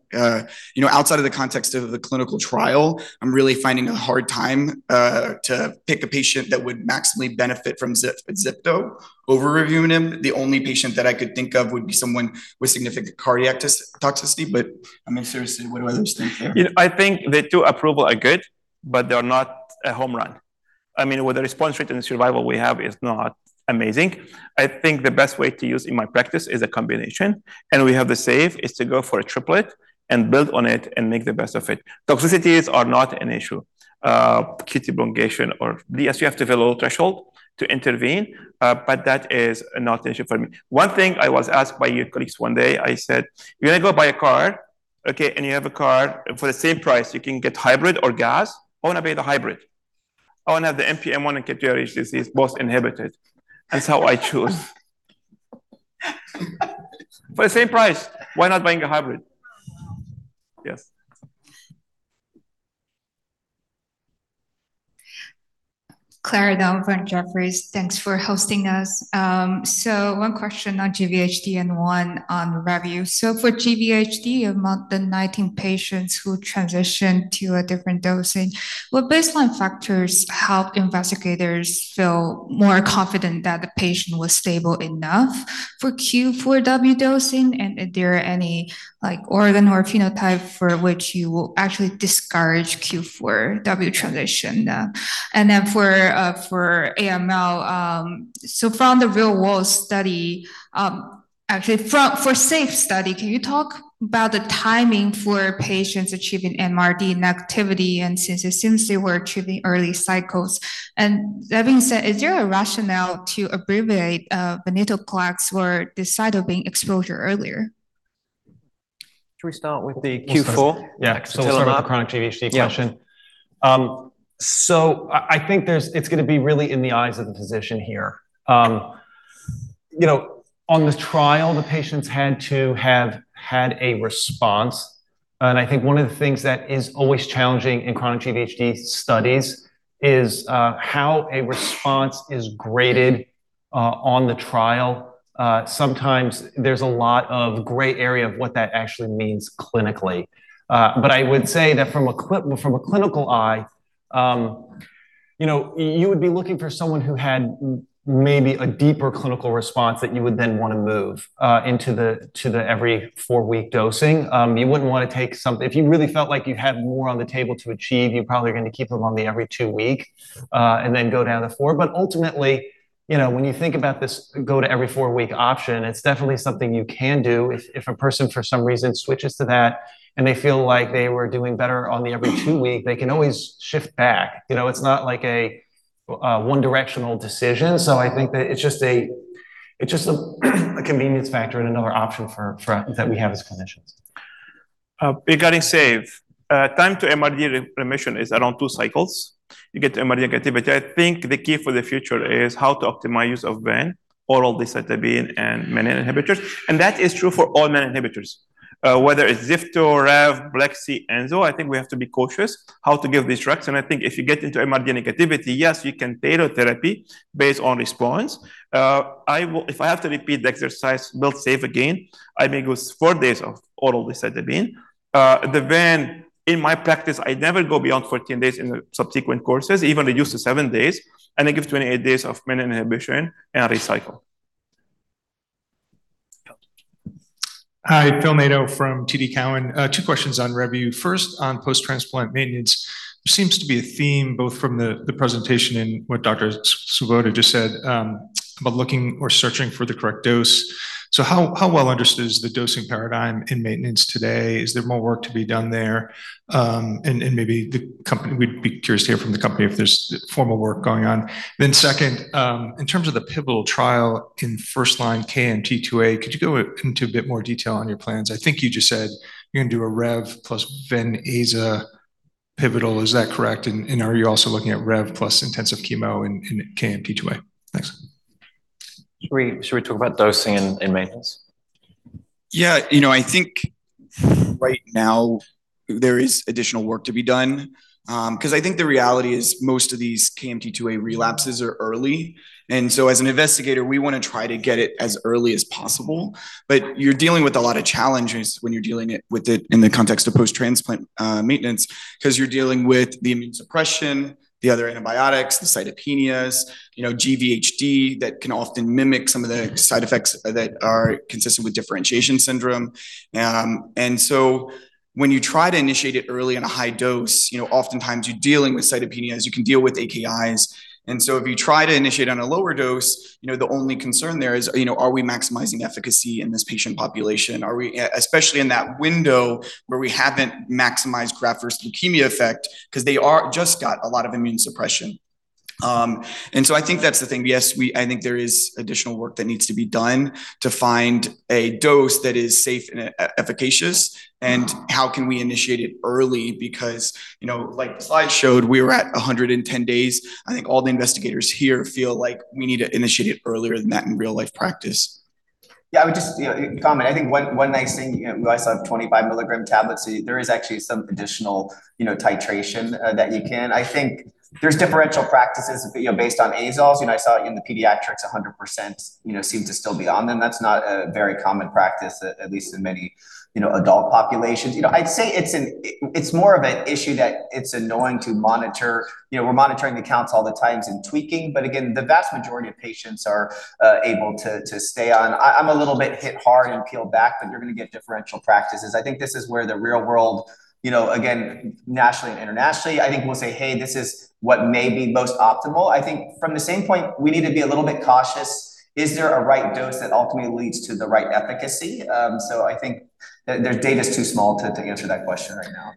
outside of the context of the clinical trial, I'm really finding a hard time to pick a patient that would maximally benefit from ziftomenib, over revumenib. The only patient that I could think of would be someone with significant cardiac toxicity. But I'm seriously, what do others think there? I think the two approval are good, but they're not a home run. I mean, with the response rate and the survival we have is not amazing. I think the best way to use in my practice is a combination. We have the safest is to go for a triplet and build on it and make the best of it. Toxicities are not an issue. QT prolongation or DS, you have to hit a little threshold to intervene. But that is not an issue for me. One thing I was asked by your colleagues one day, I said, "You're going to go buy a car, okay? And you have a car for the same price, you can get hybrid or gas. I want to buy the hybrid. I want to have the NPM1 and KMT2A disease both inhibited." And so I choose. For the same price, why not buying a hybrid? Yes. Clara Dong from Jefferies, thanks for hosting us, so one question on GVHD and one on Revu. So for GVHD, among the 19 patients who transitioned to a different dosing, would baseline factors help investigators feel more confident that the patient was stable enough for Q4W dosing? And if there are any organ or phenotype for which you will actually discourage Q4W transition? And then for AML, so from the real-world study, actually for SAVE study, can you talk about the timing for patients achieving MRD negativity? And since they were achieving early cycles. And that being said, is there a rationale to abbreviate venetoclax for the sake of minimizing exposure earlier? Should we start with the Q4? Yeah. So the chronic GVHD question. So I think it's going to be really in the eyes of the physician here. On the trial, the patients had to have had a response. And I think one of the things that is always challenging in chronic GVHD studies is how a response is graded on the trial. Sometimes there's a lot of gray area of what that actually means clinically. But I would say that from a clinical eye, you would be looking for someone who had maybe a deeper clinical response that you would then want to move into the every four-week dosing. You wouldn't want to take something if you really felt like you had more on the table to achieve, you probably are going to keep them on the every two-week and then go down the four. But ultimately, when you think about this go to every four-week option, it's definitely something you can do. If a person for some reason switches to that and they feel like they were doing better on the every two-week, they can always shift back. It's not like a one-directional decision. So I think that it's just a convenience factor and another option that we have as clinicians. Regarding safe, time to MRD remission is around two cycles. You get MRD negativity. I think the key for the future is how to optimize use of ven, oral decitabine, and menin inhibitors. And that is true for all menin inhibitors. Whether it's ziftomenib, revumenib, bleximenib, enzomenib, I think we have to be cautious how to give these drugs. And I think if you get into MRD negativity, yes, you can tailor therapy based on response. If I have to repeat the exercise, build SAVE again, I may use four days of oral decitabine. The Ven, in my practice, I never go beyond 14 days in subsequent courses, even reduce to seven days, and I give 28 days of menin inhibition and recycle. Hi, Phil Nadeau from TD Cowen. Two questions on Revu. First, on post-transplant maintenance. Seems to be a theme both from the presentation and what Dr. Swoboda just said about looking or searching for the correct dose. So how well understood is the dosing paradigm in maintenance today? Is there more work to be done there? And maybe we'd be curious to hear from the company if there's formal work going on. Then, second, in terms of the pivotal trial in first-line KMT2A, could you go into a bit more detail on your plans? I think you just said you're going to do a Rev plus ven/aza pivotal. Is that correct? And are you also looking at Rev plus intensive chemo in KMT2A? Thanks. Should we talk about dosing in maintenance? Yeah. I think right now there is additional work to be done. Because I think the reality is most of these KMT2A relapses are early. And so as an investigator, we want to try to get it as early as possible. But you're dealing with a lot of challenges when you're dealing with it in the context of post-transplant maintenance because you're dealing with the immune suppression, the other antibiotics, the cytopenias, GVHD that can often mimic some of the side effects that are consistent with differentiation syndrome. And so when you try to initiate it early on a high dose, oftentimes you're dealing with cytopenias. You can deal with AKIs. And so if you try to initiate on a lower dose, the only concern there is, are we maximizing efficacy in this patient population? Especially in that window where we haven't maximized graft versus leukemia effect because they just got a lot of immune suppression. And so I think that's the thing. Yes, I think there is additional work that needs to be done to find a dose that is safe and efficacious. And how can we initiate it early? Because like the slide showed, we were at 110 days. I think all the investigators here feel like we need to initiate it earlier than that in real-life practice. Yeah, I would just comment. I think one nice thing, we also have 25 mg tablets. There is actually some additional titration that you can. I think there's differential practices based on azoles. I saw it in the pediatrics. 100% seem to still be on them. That's not a very common practice, at least in many adult populations. I'd say it's more of an issue that it's annoying to monitor. We're monitoring the counts all the times and tweaking. But again, the vast majority of patients are able to stay on. I'm a little bit hesitant to pull back, but you're going to get differential practices. I think this is where the real world, again, nationally and internationally, I think we'll say, "Hey, this is what may be most optimal." I think from the same standpoint, we need to be a little bit cautious. Is there a right dose that ultimately leads to the right efficacy? So I think the data is too small to answer that question right now.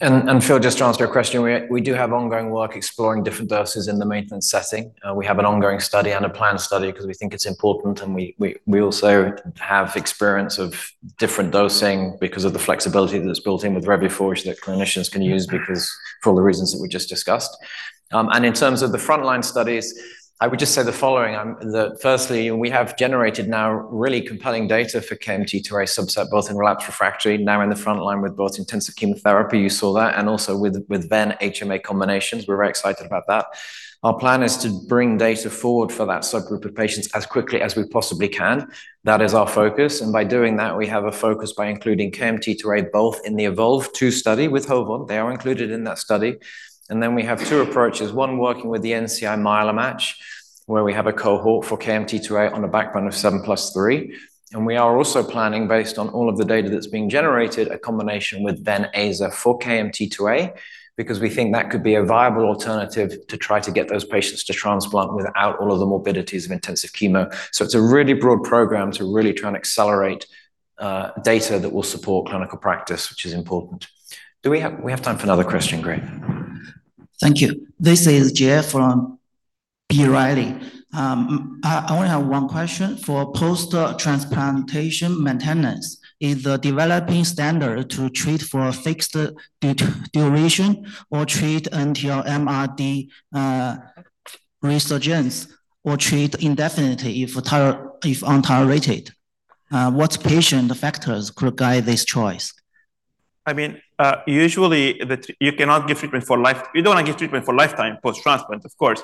I'm sure just to answer your question, we do have ongoing work exploring different doses in the maintenance setting. We have an ongoing study and a planned study because we think it's important. We also have experience of different dosing because of the flexibility that's built in with Revuforj that clinicians can use for all the reasons that we just discussed. In terms of the frontline studies, I would just say the following. Firstly, we have generated now really compelling data for KMT2A subset, both in relapsed refractory, now in the frontline with both intensive chemotherapy, you saw that, and also with ven/HMA combinations. We're very excited about that. Our plan is to bring data forward for that subgroup of patients as quickly as we possibly can. That is our focus. By doing that, we have a focus by including KMT2A both in the EVOLVE-2 study with HOVON. They are included in that study. Then we have two approaches. One working with the NCI MyeloMATCH, where we have a cohort for KMT2A on a backbone of 7+3. We are also planning based on all of the data that's being generated, a combination with ven/aza for KMT2A, because we think that could be a viable alternative to try to get those patients to transplant without all of the morbidities of intensive chemo. So it's a really broad program to really try and accelerate data that will support clinical practice, which is important. We have time for another question, Greg. Thank you. This is Jeff from B. Riley. I want to have one question. For post-transplantation maintenance, is the developing standard to treat for a fixed duration or treat until MRD resurgence or treat indefinitely if untolerated? What patient factors could guide this choice? I mean, usually, you cannot give treatment for life. You don't want to give treatment for lifetime post-transplant, of course.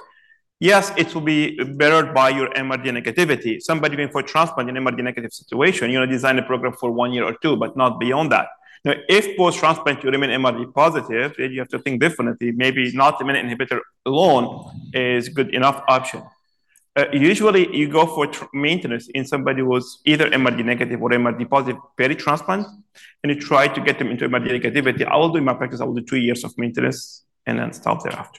Yes, it will be bettered by your MRD negativity. Somebody being for transplant in an MRD negative situation, you want to design a program for one year or two, but not beyond that. If post-transplant, you remain MRD positive, then you have to think differently. Maybe not the menin inhibitor alone is a good enough option. Usually, you go for maintenance in somebody who's either MRD negative or MRD positive peritransplant, and you try to get them into MRD negativity. I'll do in my practice, I'll do two years of maintenance and then stop thereafter.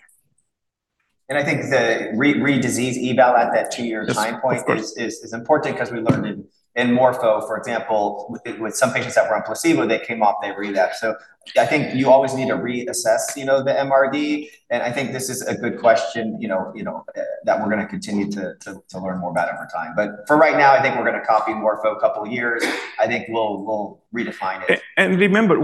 And I think the re-disease eval at that two-year time point is important because we learned in MORPHO, for example, with some patients that were on placebo, they came off, they relapsed. So I think you always need to reassess the MRD. And I think this is a good question that we're going to continue to learn more about over time. But for right now, I think we're going to copy MORPHO a couple of years. I think we'll redefine it. And remember,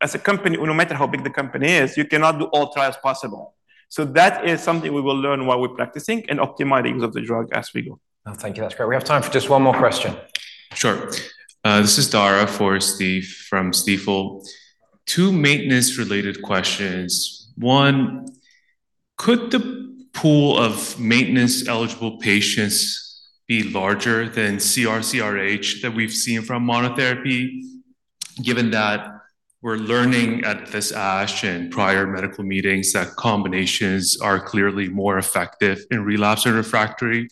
as a company, no matter how big the company is, you cannot do all trials possible. So that is something we will learn while we're practicing and optimize the use of the drug as we go. Thank you. That's great. We have time for just one more question. Sure. This is Dara for Steve from Stifel. Two maintenance-related questions. One, could the pool of maintenance-eligible patients be larger than CR/CRh that we've seen from monotherapy, given that we're learning at this ASH and prior medical meetings that combinations are clearly more effective in relapse or refractory?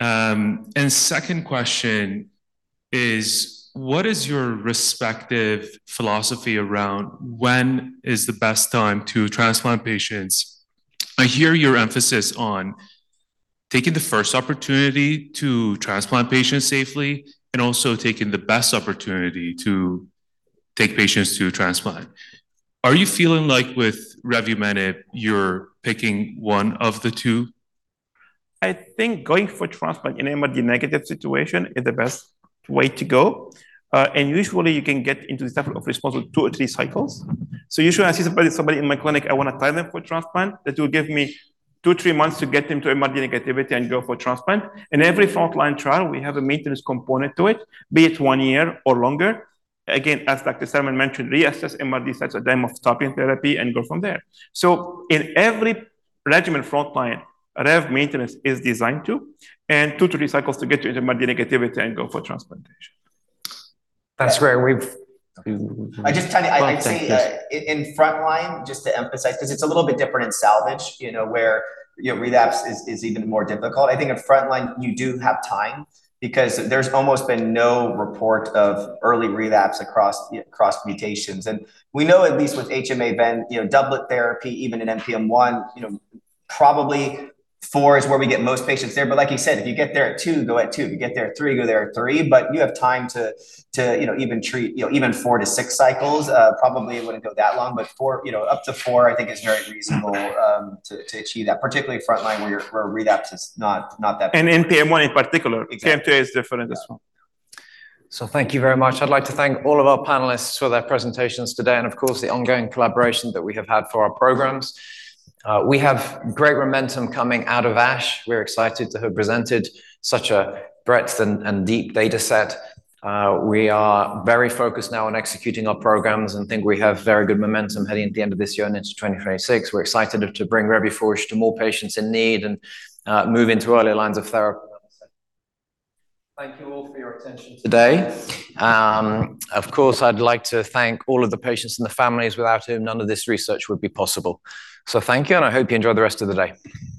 And second question is, what is your respective philosophy around when is the best time to transplant patients? I hear your emphasis on taking the first opportunity to transplant patients safely and also taking the best opportunity to take patients to transplant. Are you feeling like with revumenib, you're picking one of the two? I think going for transplant in an MRD negative situation is the best way to go. And usually, you can get into this type of response with two or three cycles. So usually, I see somebody in my clinic. I want to time them for transplant. That will give me two, three months to get them to MRD negativity and go for transplant. In every frontline trial, we have a maintenance component to it, be it one year or longer. Again, as Dr. Sallman mentioned, reassess MRD status or [UNINTELLIGIBLE] therapy and go from there. So in every frontline regimen, Rev maintenance is designed to, and two to three cycles to get you into MRD negativity and go for transplantation. That's great. I just tell you, I'd say in frontline, just to emphasize, because it's a little bit different in salvage, where relapse is even more difficult. I think in frontline, you do have time because there's almost been no report of early relapse across mutations. And we know at least with HMA/Ven doublet therapy, even in NPM1, probably four is where we get most patients there. But like you said, if you get there at two, go at two. If you get there at three, go there at three. But you have time to even treat even four to six cycles. Probably it wouldn't go that long. But up to four, I think, is very reasonable to achieve that, particularly frontline where relapse is not that big. And NPM1 in particular. KMT2A is different in this one. So thank you very much. I'd like to thank all of our panelists for their presentations today and, of course, the ongoing collaboration that we have had for our programs. We have great momentum coming out of ASH. We're excited to have presented such a breadth and depth data set. We are very focused now on executing our programs and think we have very good momentum heading at the end of this year and into 2026. We're excited to bring Revuforj to more patients in need and move into earlier lines of therapy. Thank you all for your attention today. Of course, I'd like to thank all of the patients and the families without whom none of this research would be possible. So thank you, and I hope you enjoy the rest of the day. Thank you.